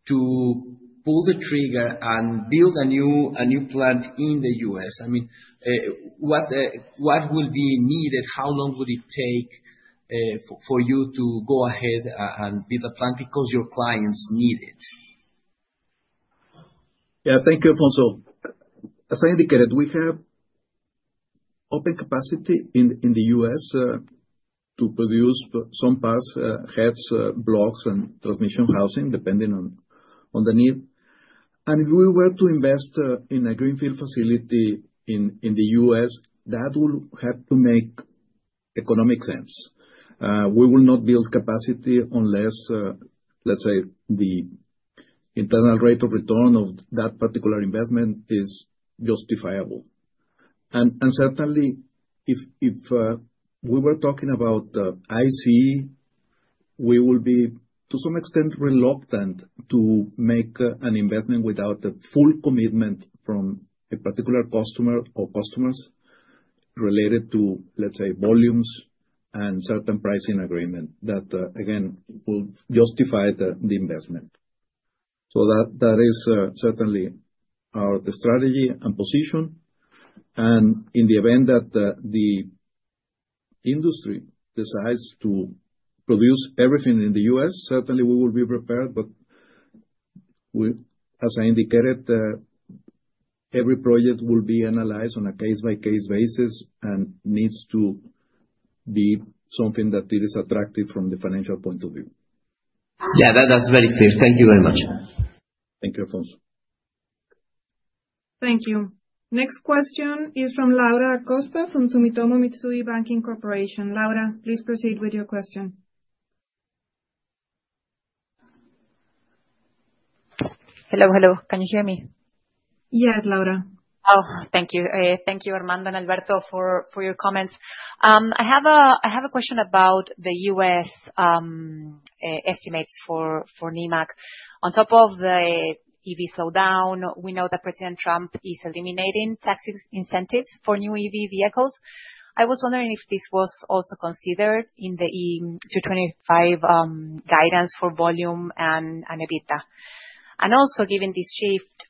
to pull the trigger and build a new plant in the U.S.? I mean, what will be needed? How long would it take for you to go ahead and build a plant because your clients need it?
Yeah. Thank you, Alfonso. As I indicated, we have open capacity in the U.S. to produce some parts, heads, blocks, and transmission housing, depending on the need. And if we were to invest in a greenfield facility in the U.S., that will have to make economic sense. We will not build capacity unless, let's say, the internal rate of return of that particular investment is justifiable. And certainly, if we were talking about ICE, we will be, to some extent, reluctant to make an investment without a full commitment from a particular customer or customers related to, let's say, volumes and certain pricing agreement that, again, will justify the investment. So that is certainly our strategy and position. And in the event that the industry decides to produce everything in the U.S., certainly, we will be prepared. But as I indicated, every project will be analyzed on a case-by-case basis and needs to be something that it is attractive from the financial point of view.
Yeah. That's very clear. Thank you very much.
Thank you, Alfonso.
Thank you. Next question is from Laura Acosta from Sumitomo Mitsui Banking Corporation. Laura, please proceed with your question. Hello. Hello.
Can you hear me?
Yes, Laura.
Oh, thank you. Thank you, Armando and Alberto, for your comments. I have a question about the U.S. estimates for Nemak. On top of the EV slowdown, we know that President Trump is eliminating tax incentives for new EV vehicles. I was wondering if this was also considered in the 2025 guidance for volume and EBITDA. And also, given this shift,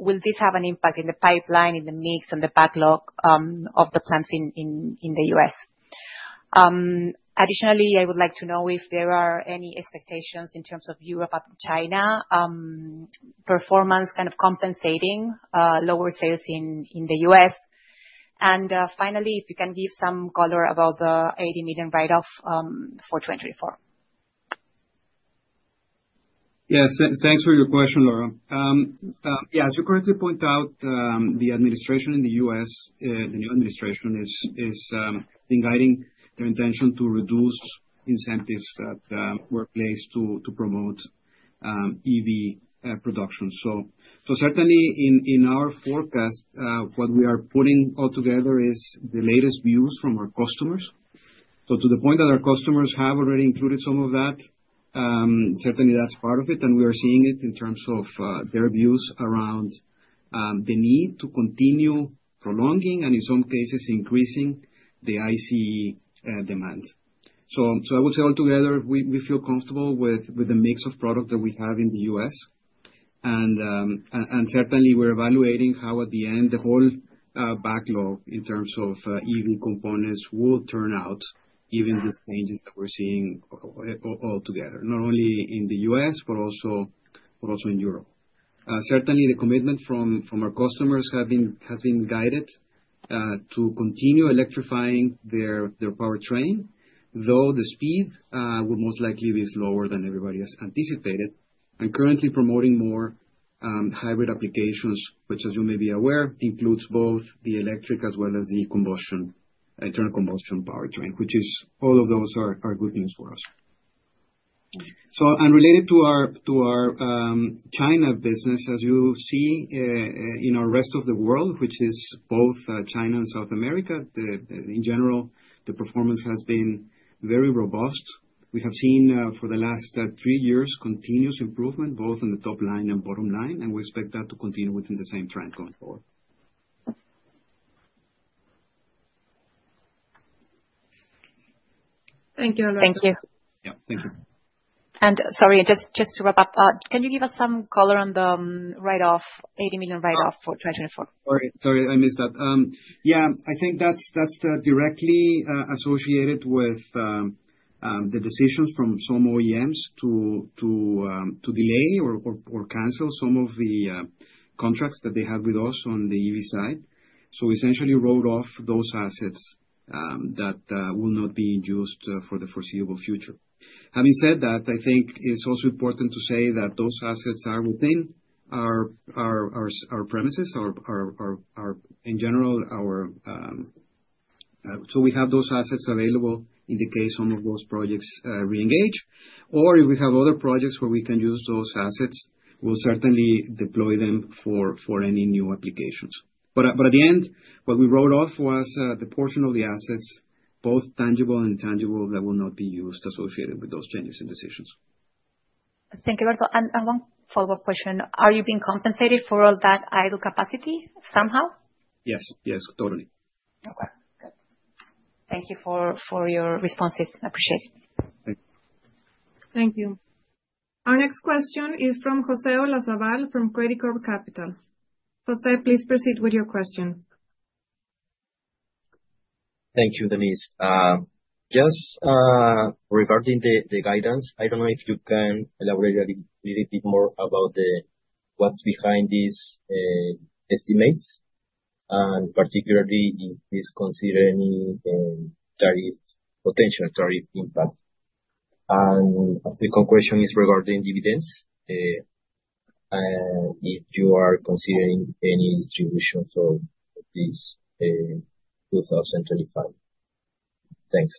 will this have an impact in the pipeline, in the mix, and the backlog of the plants in the U.S.? Additionally, I would like to know if there are any expectations in terms of Europe and China performance kind of compensating lower sales in the U.S. And finally, if you can give some color about the 80 million write-off for 2024.
Yeah. Thanks for your question, Laura. Yeah. As you correctly point out, the administration in the U.S., the new administration, is guiding their intention to reduce incentives that were placed to promote EV production. So certainly, in our forecast, what we are putting all together is the latest views from our customers. So to the point that our customers have already included some of that, certainly, that's part of it. And we are seeing it in terms of their views around the need to continue prolonging and, in some cases, increasing the ICE demand. So I would say altogether, we feel comfortable with the mix of product that we have in the U.S. And certainly, we're evaluating how, at the end, the whole backlog in terms of EV components will turn out given these changes that we're seeing altogether, not only in the U.S., but also in Europe. Certainly, the commitment from our customers has been guided to continue electrifying their powertrain, though the speed will most likely be slower than everybody has anticipated, and currently promoting more hybrid applications, which, as you may be aware, includes both the electric as well as the internal combustion powertrain, which is, all of those are good news for us. Related to our China business, as you see in our rest of the world, which is both China and South America, in general, the performance has been very robust. We have seen for the last three years continuous improvement, both in the top line and bottom line, and we expect that to continue within the same trend going forward.
Thank you, Alberto. Thank you.
Yeah. Thank you.
Sorry, just to wrap up, can you give us some color on the write-off, $80 million write-off for 2024?
Sorry, I missed that. Yeah. I think that's directly associated with the decisions from some OEMs to delay or cancel some of the contracts that they have with us on the EV side. So essentially, wrote off those assets that will not be used for the foreseeable future. Having said that, I think it's also important to say that those assets are within our premises. In general, so we have those assets available in the case some of those projects reengage. Or if we have other projects where we can use those assets, we'll certainly deploy them for any new applications. But at the end, what we wrote off was the portion of the assets, both tangible and intangible, that will not be used associated with those changes and decisions.
Thank you, Alberto. And one follow-up question. Are you being compensated for all that idle capacity somehow?
Yes. Yes. Totally.
Okay. Good. Thank you for your responses. I appreciate it.
Thank you. Our next question is from José Olazabal from Credicorp Capital. José, please proceed with your question.
Thank you, Denise. Just regarding the guidance, I don't know if you can elaborate a little bit more about what's behind these estimates, and particularly if it's considering any potential tariff impact. And the question is regarding dividends, if you are considering any distribution for this 2025. Thanks.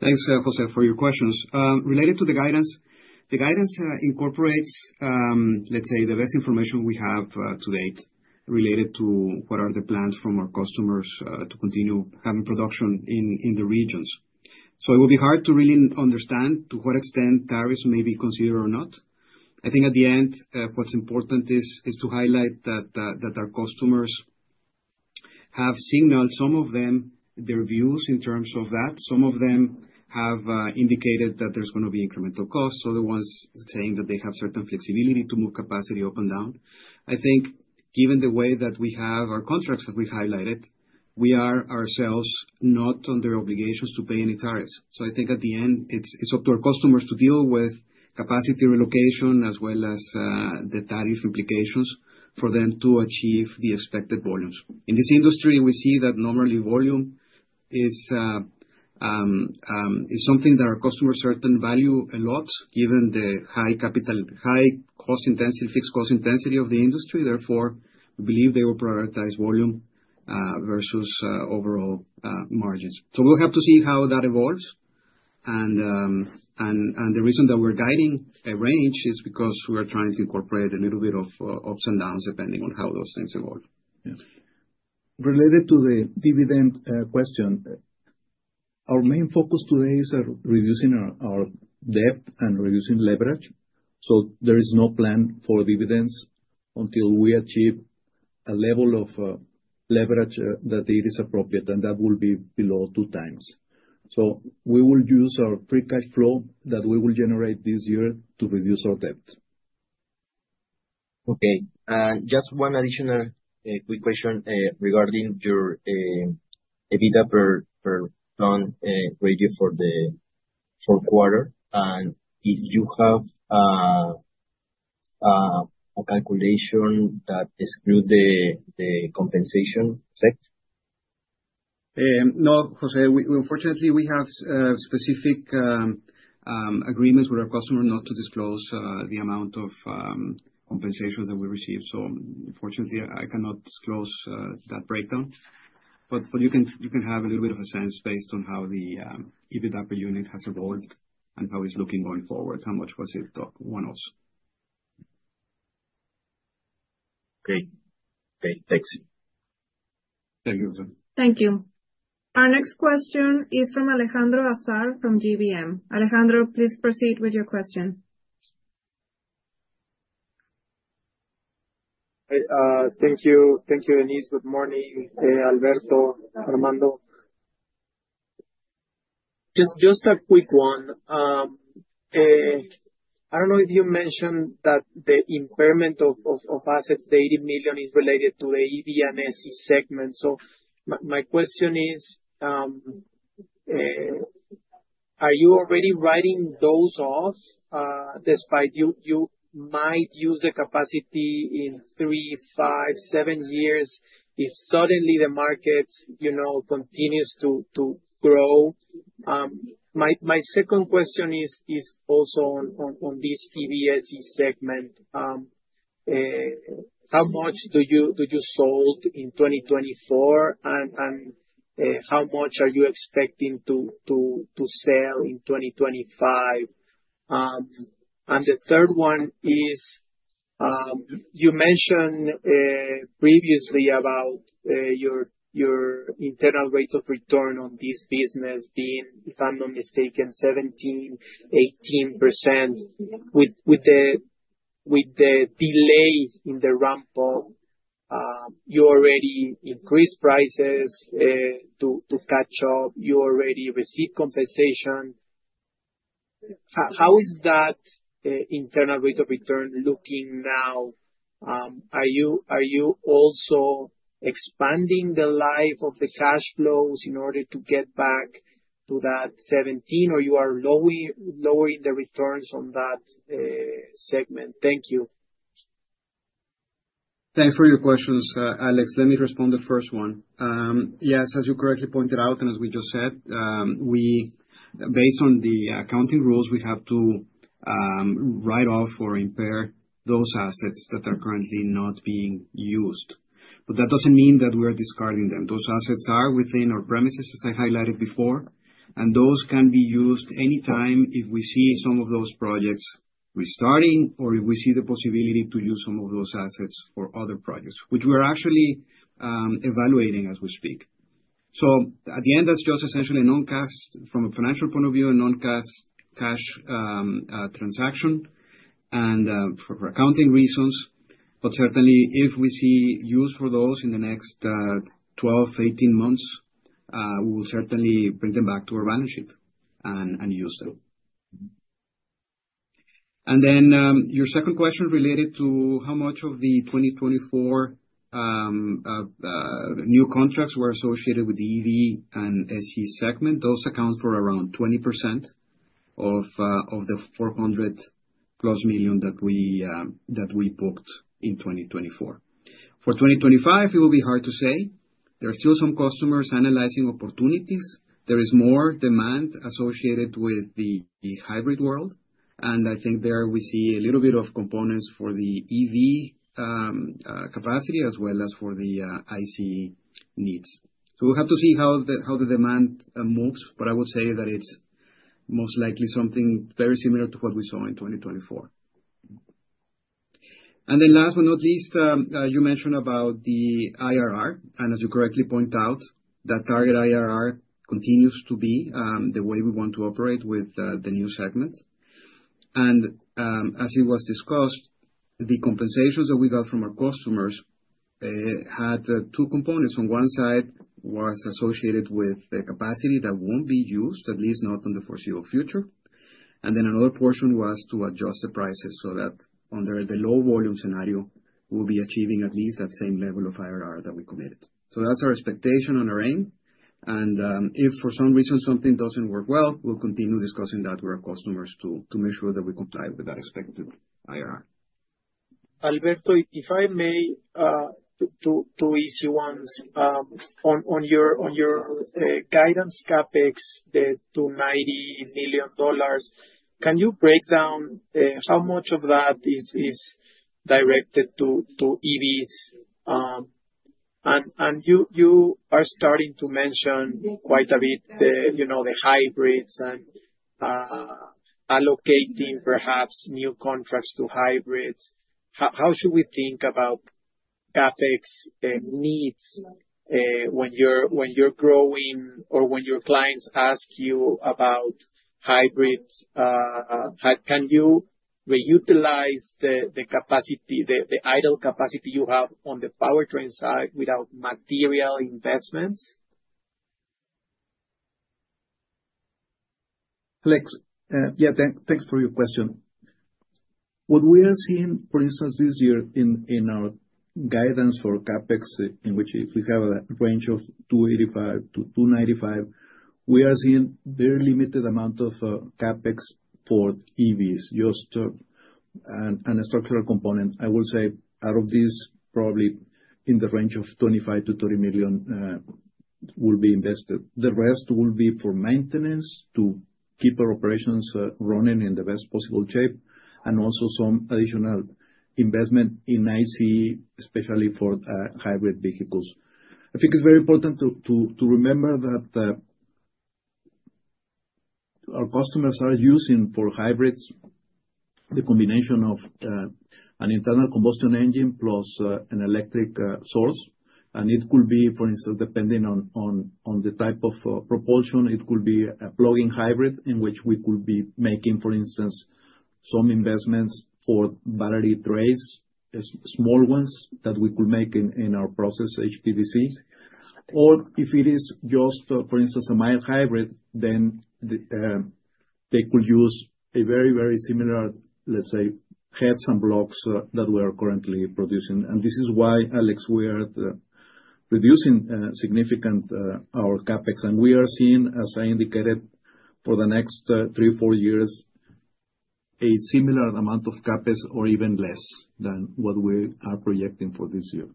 Thanks, José, for your questions. Related to the guidance, the guidance incorporates, let's say, the best information we have to date related to what are the plans from our customers to continue having production in the regions. So it will be hard to really understand to what extent tariffs may be considered or not. I think at the end, what's important is to highlight that our customers have signaled, some of them, their views in terms of that. Some of them have indicated that there's going to be incremental costs. Other ones saying that they have certain flexibility to move capacity up and down. I think given the way that we have our contracts that we've highlighted, we are ourselves not under obligations to pay any tariffs. So I think at the end, it's up to our customers to deal with capacity relocation as well as the tariff implications for them to achieve the expected volumes. In this industry, we see that normally volume is something that our customers certainly value a lot given the high cost-intensity, fixed cost-intensity of the industry. Therefore, we believe they will prioritize volume versus overall margins. So we'll have to see how that evolves. And the reason that we're guiding a range is because we are trying to incorporate a little bit of ups and downs depending on how those things evolve.
Yeah. Related to the dividend question, our main focus today is reducing our debt and reducing leverage. So there is no plan for dividends until we achieve a level of leverage that it is appropriate, and that will be below two times. So we will use our free cash flow that we will generate this year to reduce our debt.
Okay. Just one additional quick question regarding your EBITDA per ton rating for the fourth quarter. And if you have a calculation that excludes the compensation effect?
No, José. Unfortunately, we have specific agreements with our customer not to disclose the amount of compensations that we receive. So unfortunately, I cannot disclose that breakdown. But you can have a little bit of a sense based on how the EBITDA per unit has evolved and how it's looking going forward, how much was it top one-offs.
Okay. Okay. Thanks.
Thank you, José.
Thank you. Our next question is from Alejandro Azar from GBM. Alejandro, please proceed with your question.
Thank you. Thank you, Denise. Good morning, Alberto, Armando. Just a quick one. I don't know if you mentioned that the impairment of assets, the $80 million, is related to the EV/ICE segment. So my question is, are you already writing those off despite you might use the capacity in three, five, seven years if suddenly the market continues to grow? My second question is also on this EV/ICE segment. How much do you sold in 2024? And how much are you expecting to sell in 2025? And the third one is you mentioned previously about your internal rate of return on this business being, if I'm not mistaken, 17%-18%. With the delay in the ramp-up, you already increased prices to catch up. You already received compensation. How is that internal rate of return looking now? Are you also expanding the life of the cash flows in order to get back to that 17%, or you are lowering the returns on that segment? Thank you.
Thanks for your questions, Alex. Let me respond to the first one. Yes, as you correctly pointed out, and as we just said, based on the accounting rules, we have to write off or impair those assets that are currently not being used. But that doesn't mean that we are discarding them. Those assets are within our premises, as I highlighted before. And those can be used anytime if we see some of those projects restarting or if we see the possibility to use some of those assets for other projects, which we are actually evaluating as we speak. So at the end, that's just essentially a non-cash, from a financial point of view, a non-cash transaction for accounting reasons. But certainly, if we see use for those in the next 12-18 months, we will certainly bring them back to our balance sheet and use them. And then your second question related to how much of the 2024 new contracts were associated with the EV and ICE segment. Those account for around 20% of the $400-plus million that we booked in 2024. For 2025, it will be hard to say. There are still some customers analyzing opportunities. There is more demand associated with the hybrid world. And I think there we see a little bit of components for the EV capacity as well as for the ICE needs. So we'll have to see how the demand moves. But I would say that it's most likely something very similar to what we saw in 2024. And then last but not least, you mentioned about the IRR. And as you correctly point out, that target IRR continues to be the way we want to operate with the new segments. And as it was discussed, the compensations that we got from our customers had two components. On one side was associated with the capacity that won't be used, at least not in the foreseeable future. And then another portion was to adjust the prices so that under the low-volume scenario, we'll be achieving at least that same level of IRR that we committed. That's our expectation on our end. If for some reason something doesn't work well, we'll continue discussing that with our customers to make sure that we comply with that expected IRR.
Alberto, if I may, two easy ones. On your guidance, CapEx, the $290 million, can you break down how much of that is directed to EVs? You are starting to mention quite a bit the hybrids and allocating perhaps new contracts to hybrids. How should we think about CapEx needs when you're growing or when your clients ask you about hybrids? Can you reutilize the idle capacity you have on the powertrain side without material investments?
Yeah. Thanks for your question. What we are seeing, for instance, this year in our guidance for CapEx, in which we have a range of $285-$295 million, we are seeing a very limited amount of CapEx for EVs, just a structural component. I will say out of these, probably in the range of $25-$30 million will be invested. The rest will be for maintenance to keep our operations running in the best possible shape and also some additional investment in ICE, especially for hybrid vehicles. I think it's very important to remember that our customers are using for hybrids the combination of an internal combustion engine plus an electric source. It could be, for instance, depending on the type of propulsion, it could be a plug-in hybrid in which we could be making, for instance, some investments for battery trays, small ones that we could make in our process, HPDC. Or if it is just, for instance, a mild hybrid, then they could use a very, very similar, let's say, heads and blocks that we are currently producing. And this is why, Alex, we are reducing significantly our CapEx. And we are seeing, as I indicated, for the next three or four years, a similar amount of CapEx or even less than what we are projecting for this year.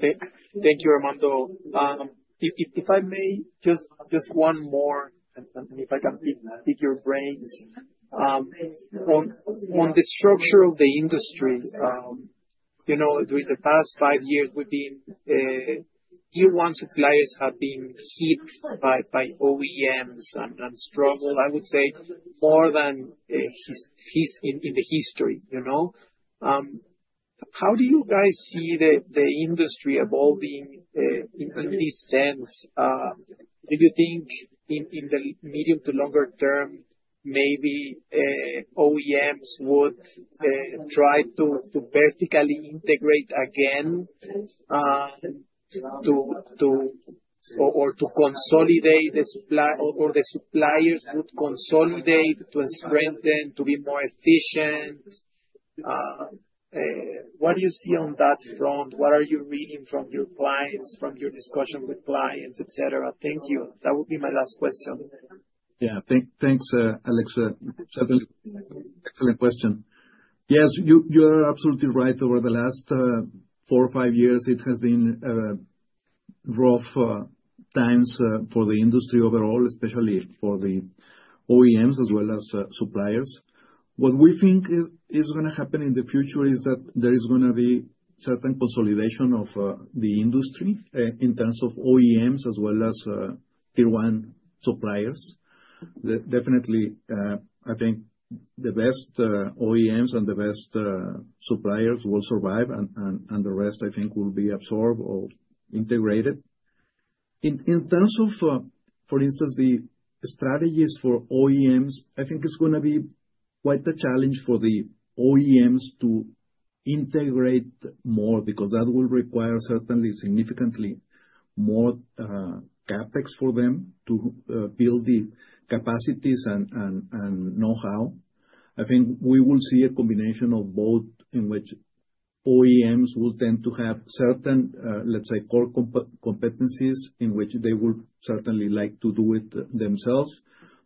Thank you, Armando. If I may, just one more, and if I can pick your brains. On the structure of the industry, during the past five years, we've been Tier 1 suppliers have been hit by OEMs and struggled, I would say, more than in the history. How do you guys see the industry evolving in this sense? Do you think in the medium to longer term, maybe OEMs would try to vertically integrate again or to consolidate the supply, or the suppliers would consolidate to strengthen, to be more efficient? What do you see on that front? What are you reading from your clients, from your discussion with clients, etc.? Thank you. That would be my last question.
Yeah. Thanks, Alex. Certainly, excellent question. Yes, you are absolutely right. Over the last four or five years, it has been rough times for the industry overall, especially for the OEMs as well as suppliers. What we think is going to happen in the future is that there is going to be certain consolidation of the industry in terms of OEMs as well as Tier 1 suppliers. Definitely, I think the best OEMs and the best suppliers will survive, and the rest, I think, will be absorbed or integrated. In terms of, for instance, the strategies for OEMs, I think it's going to be quite a challenge for the OEMs to integrate more because that will require certainly significantly more CapEx for them to build the capacities and know-how. I think we will see a combination of both in which OEMs will tend to have certain, let's say, core competencies in which they would certainly like to do it themselves.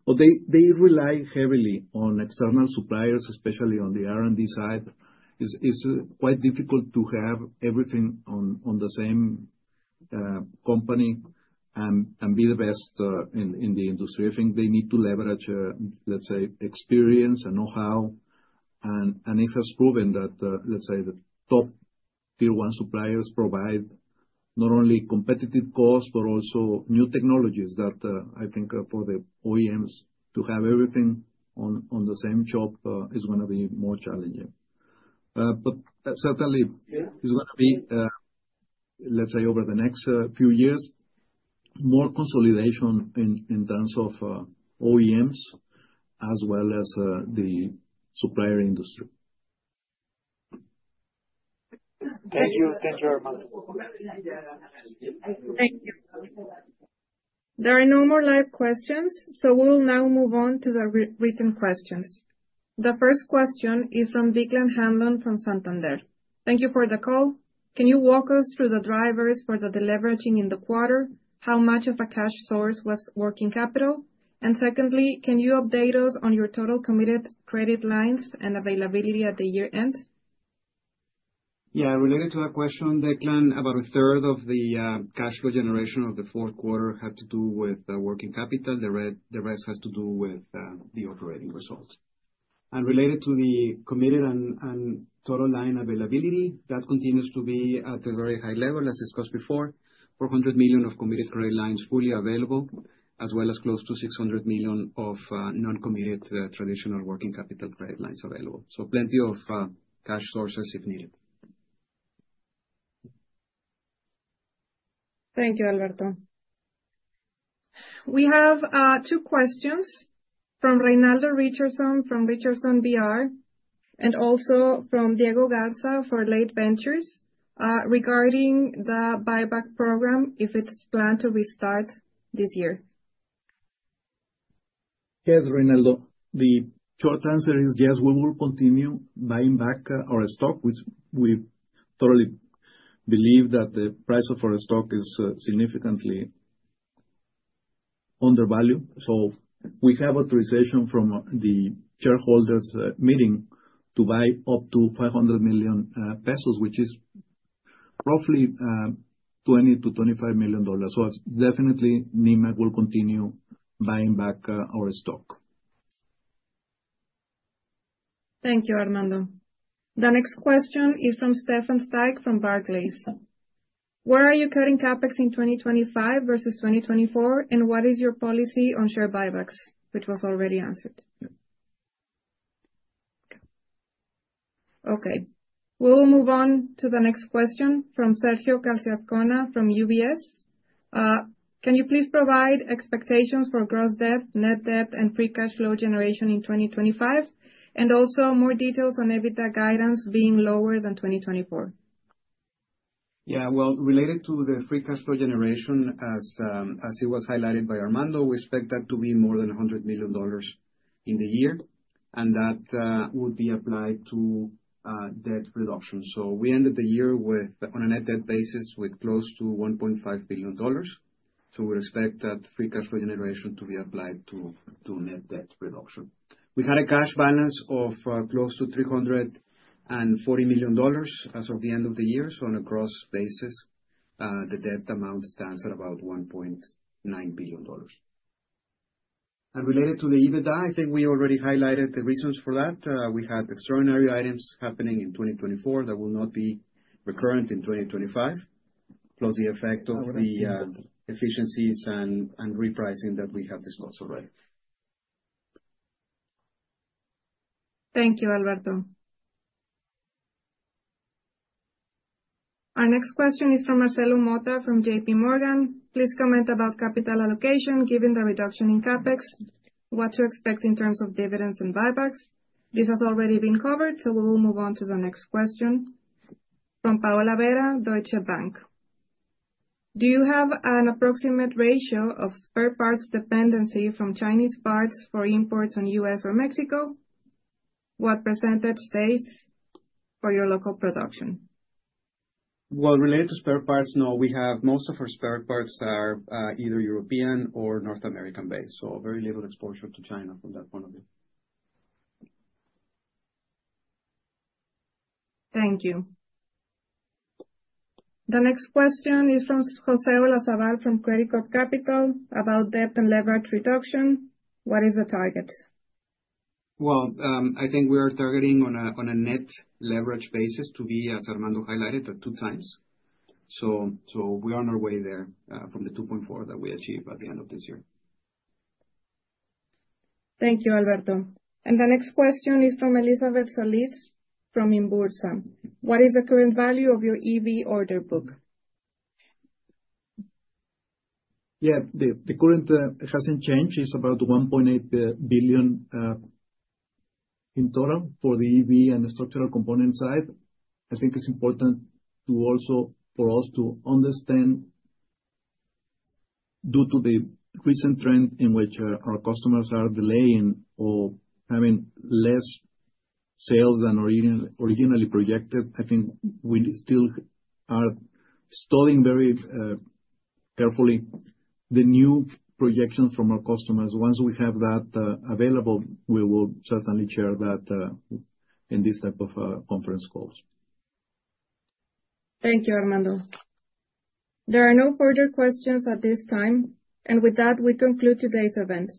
But they rely heavily on external suppliers, especially on the R&D side. It's quite difficult to have everything on the same company and be the best in the industry. I think they need to leverage, let's say, experience and know-how. And it has proven that, let's say, the top Tier 1 suppliers provide not only competitive costs, but also new technologies that I think for the OEMs to have everything on the same shop is going to be more challenging. But certainly, it's going to be, let's say, over the next few years, more consolidation in terms of OEMs as well as the supplier industry.
Thank you. Thank you, Armando.
Thank you. There are no more live questions. So we'll now move on to the written questions. The first question is from Declan Hanlon from Santander. Thank you for the call. Can you walk us through the drivers for the deleveraging in the quarter? How much of a cash source was working capital? And secondly, can you update us on your total committed credit lines and availability at the year end? Yeah.
Related to that question, Declan, about a third of the cash flow generation of the fourth quarter had to do with working capital. The rest has to do with the operating results and related to the committed and total line availability, that continues to be at a very high level, as discussed before, $400 million of committed credit lines fully available, as well as close to $600 million of non-committed traditional working capital credit lines available. So plenty of cash sources if needed.
Thank you, Alberto. We have two questions from Reynaldo Richardson, from Richardson BR, and also from Diego Garza for Late Ventures regarding the buyback program, if it's planned to restart this year.
Yes, Reynaldo. The short answer is yes, we will continue buying back our stock. We totally believe that the price of our stock is significantly undervalued.
So we have authorization from the shareholders' meeting to buy up to 500 million pesos, which is roughly $20 million-$25 million. So definitely, Nemak will continue buying back our stock.
Thank you, Armando. The next question is from Stefan Styk from Barclays. Where are you cutting CapEx in 2025 versus 2024, and what is your policy on share buybacks, which was already answered? Okay. We'll move on to the next question from Sergio Calvillo from UBS. Can you please provide expectations for gross debt, net debt, and free cash flow generation in 2025, and also more details on EBITDA guidance being lower than 2024?
Yeah. Well, related to the free cash flow generation, as it was highlighted by Armando, we expect that to be more than $100 million in the year, and that would be applied to debt reduction. So we ended the year on a net debt basis with close to $1.5 billion. So we expect that free cash flow generation to be applied to net debt reduction. We had a cash balance of close to $340 million as of the end of the year. So on a gross basis, the debt amount stands at about $1.9 billion. And related to the EBITDA, I think we already highlighted the reasons for that. We had extraordinary items happening in 2024 that will not be recurrent in 2025, plus the effect of the efficiencies and repricing that we have discussed already.
Thank you, Alberto. Our next question is from Marcelo Motta from J.P. Morgan. Please comment about capital allocation given the reduction in CapEx, what to expect in terms of dividends and buybacks. This has already been covered, so we will move on to the next question from Paola Vera, Deutsche Bank. Do you have an approximate ratio of spare parts dependency from Chinese parts for imports on U.S. or Mexico? What percentage stays for your local production?
Well, related to spare parts, no. Most of our spare parts are either European or North American-based. So very little exposure to China from that point of view.
Thank you. The next question is from José Olazabal from Credicorp Capital about debt and leverage reduction. What is the target?
Well, I think we are targeting on a net leverage basis to be, as Armando highlighted, at two times. So we are on our way there from the 2.4 that we achieve at the end of this year.
Thank you, Alberto. And the next question is from Elizabeth Solís from Inbursa. What is the current value of your EV order book?
Yeah. The current hasn't changed. It's about $1.8 billion in total for the EV and the structural component side. I think it's important for us to understand, due to the recent trend in which our customers are delaying or having less sales than originally projected. I think we still are studying very carefully the new projections from our customers. Once we have that available, we will certainly share that in this type of conference calls. Thank you, Armando. There are no further questions at this time. And with that, we conclude today's event.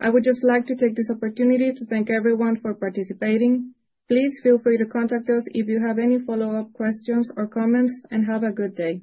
I would just like to take this opportunity to thank everyone for participating. Please feel free to contact us if you have any follow-up questions or comments, and have a good day.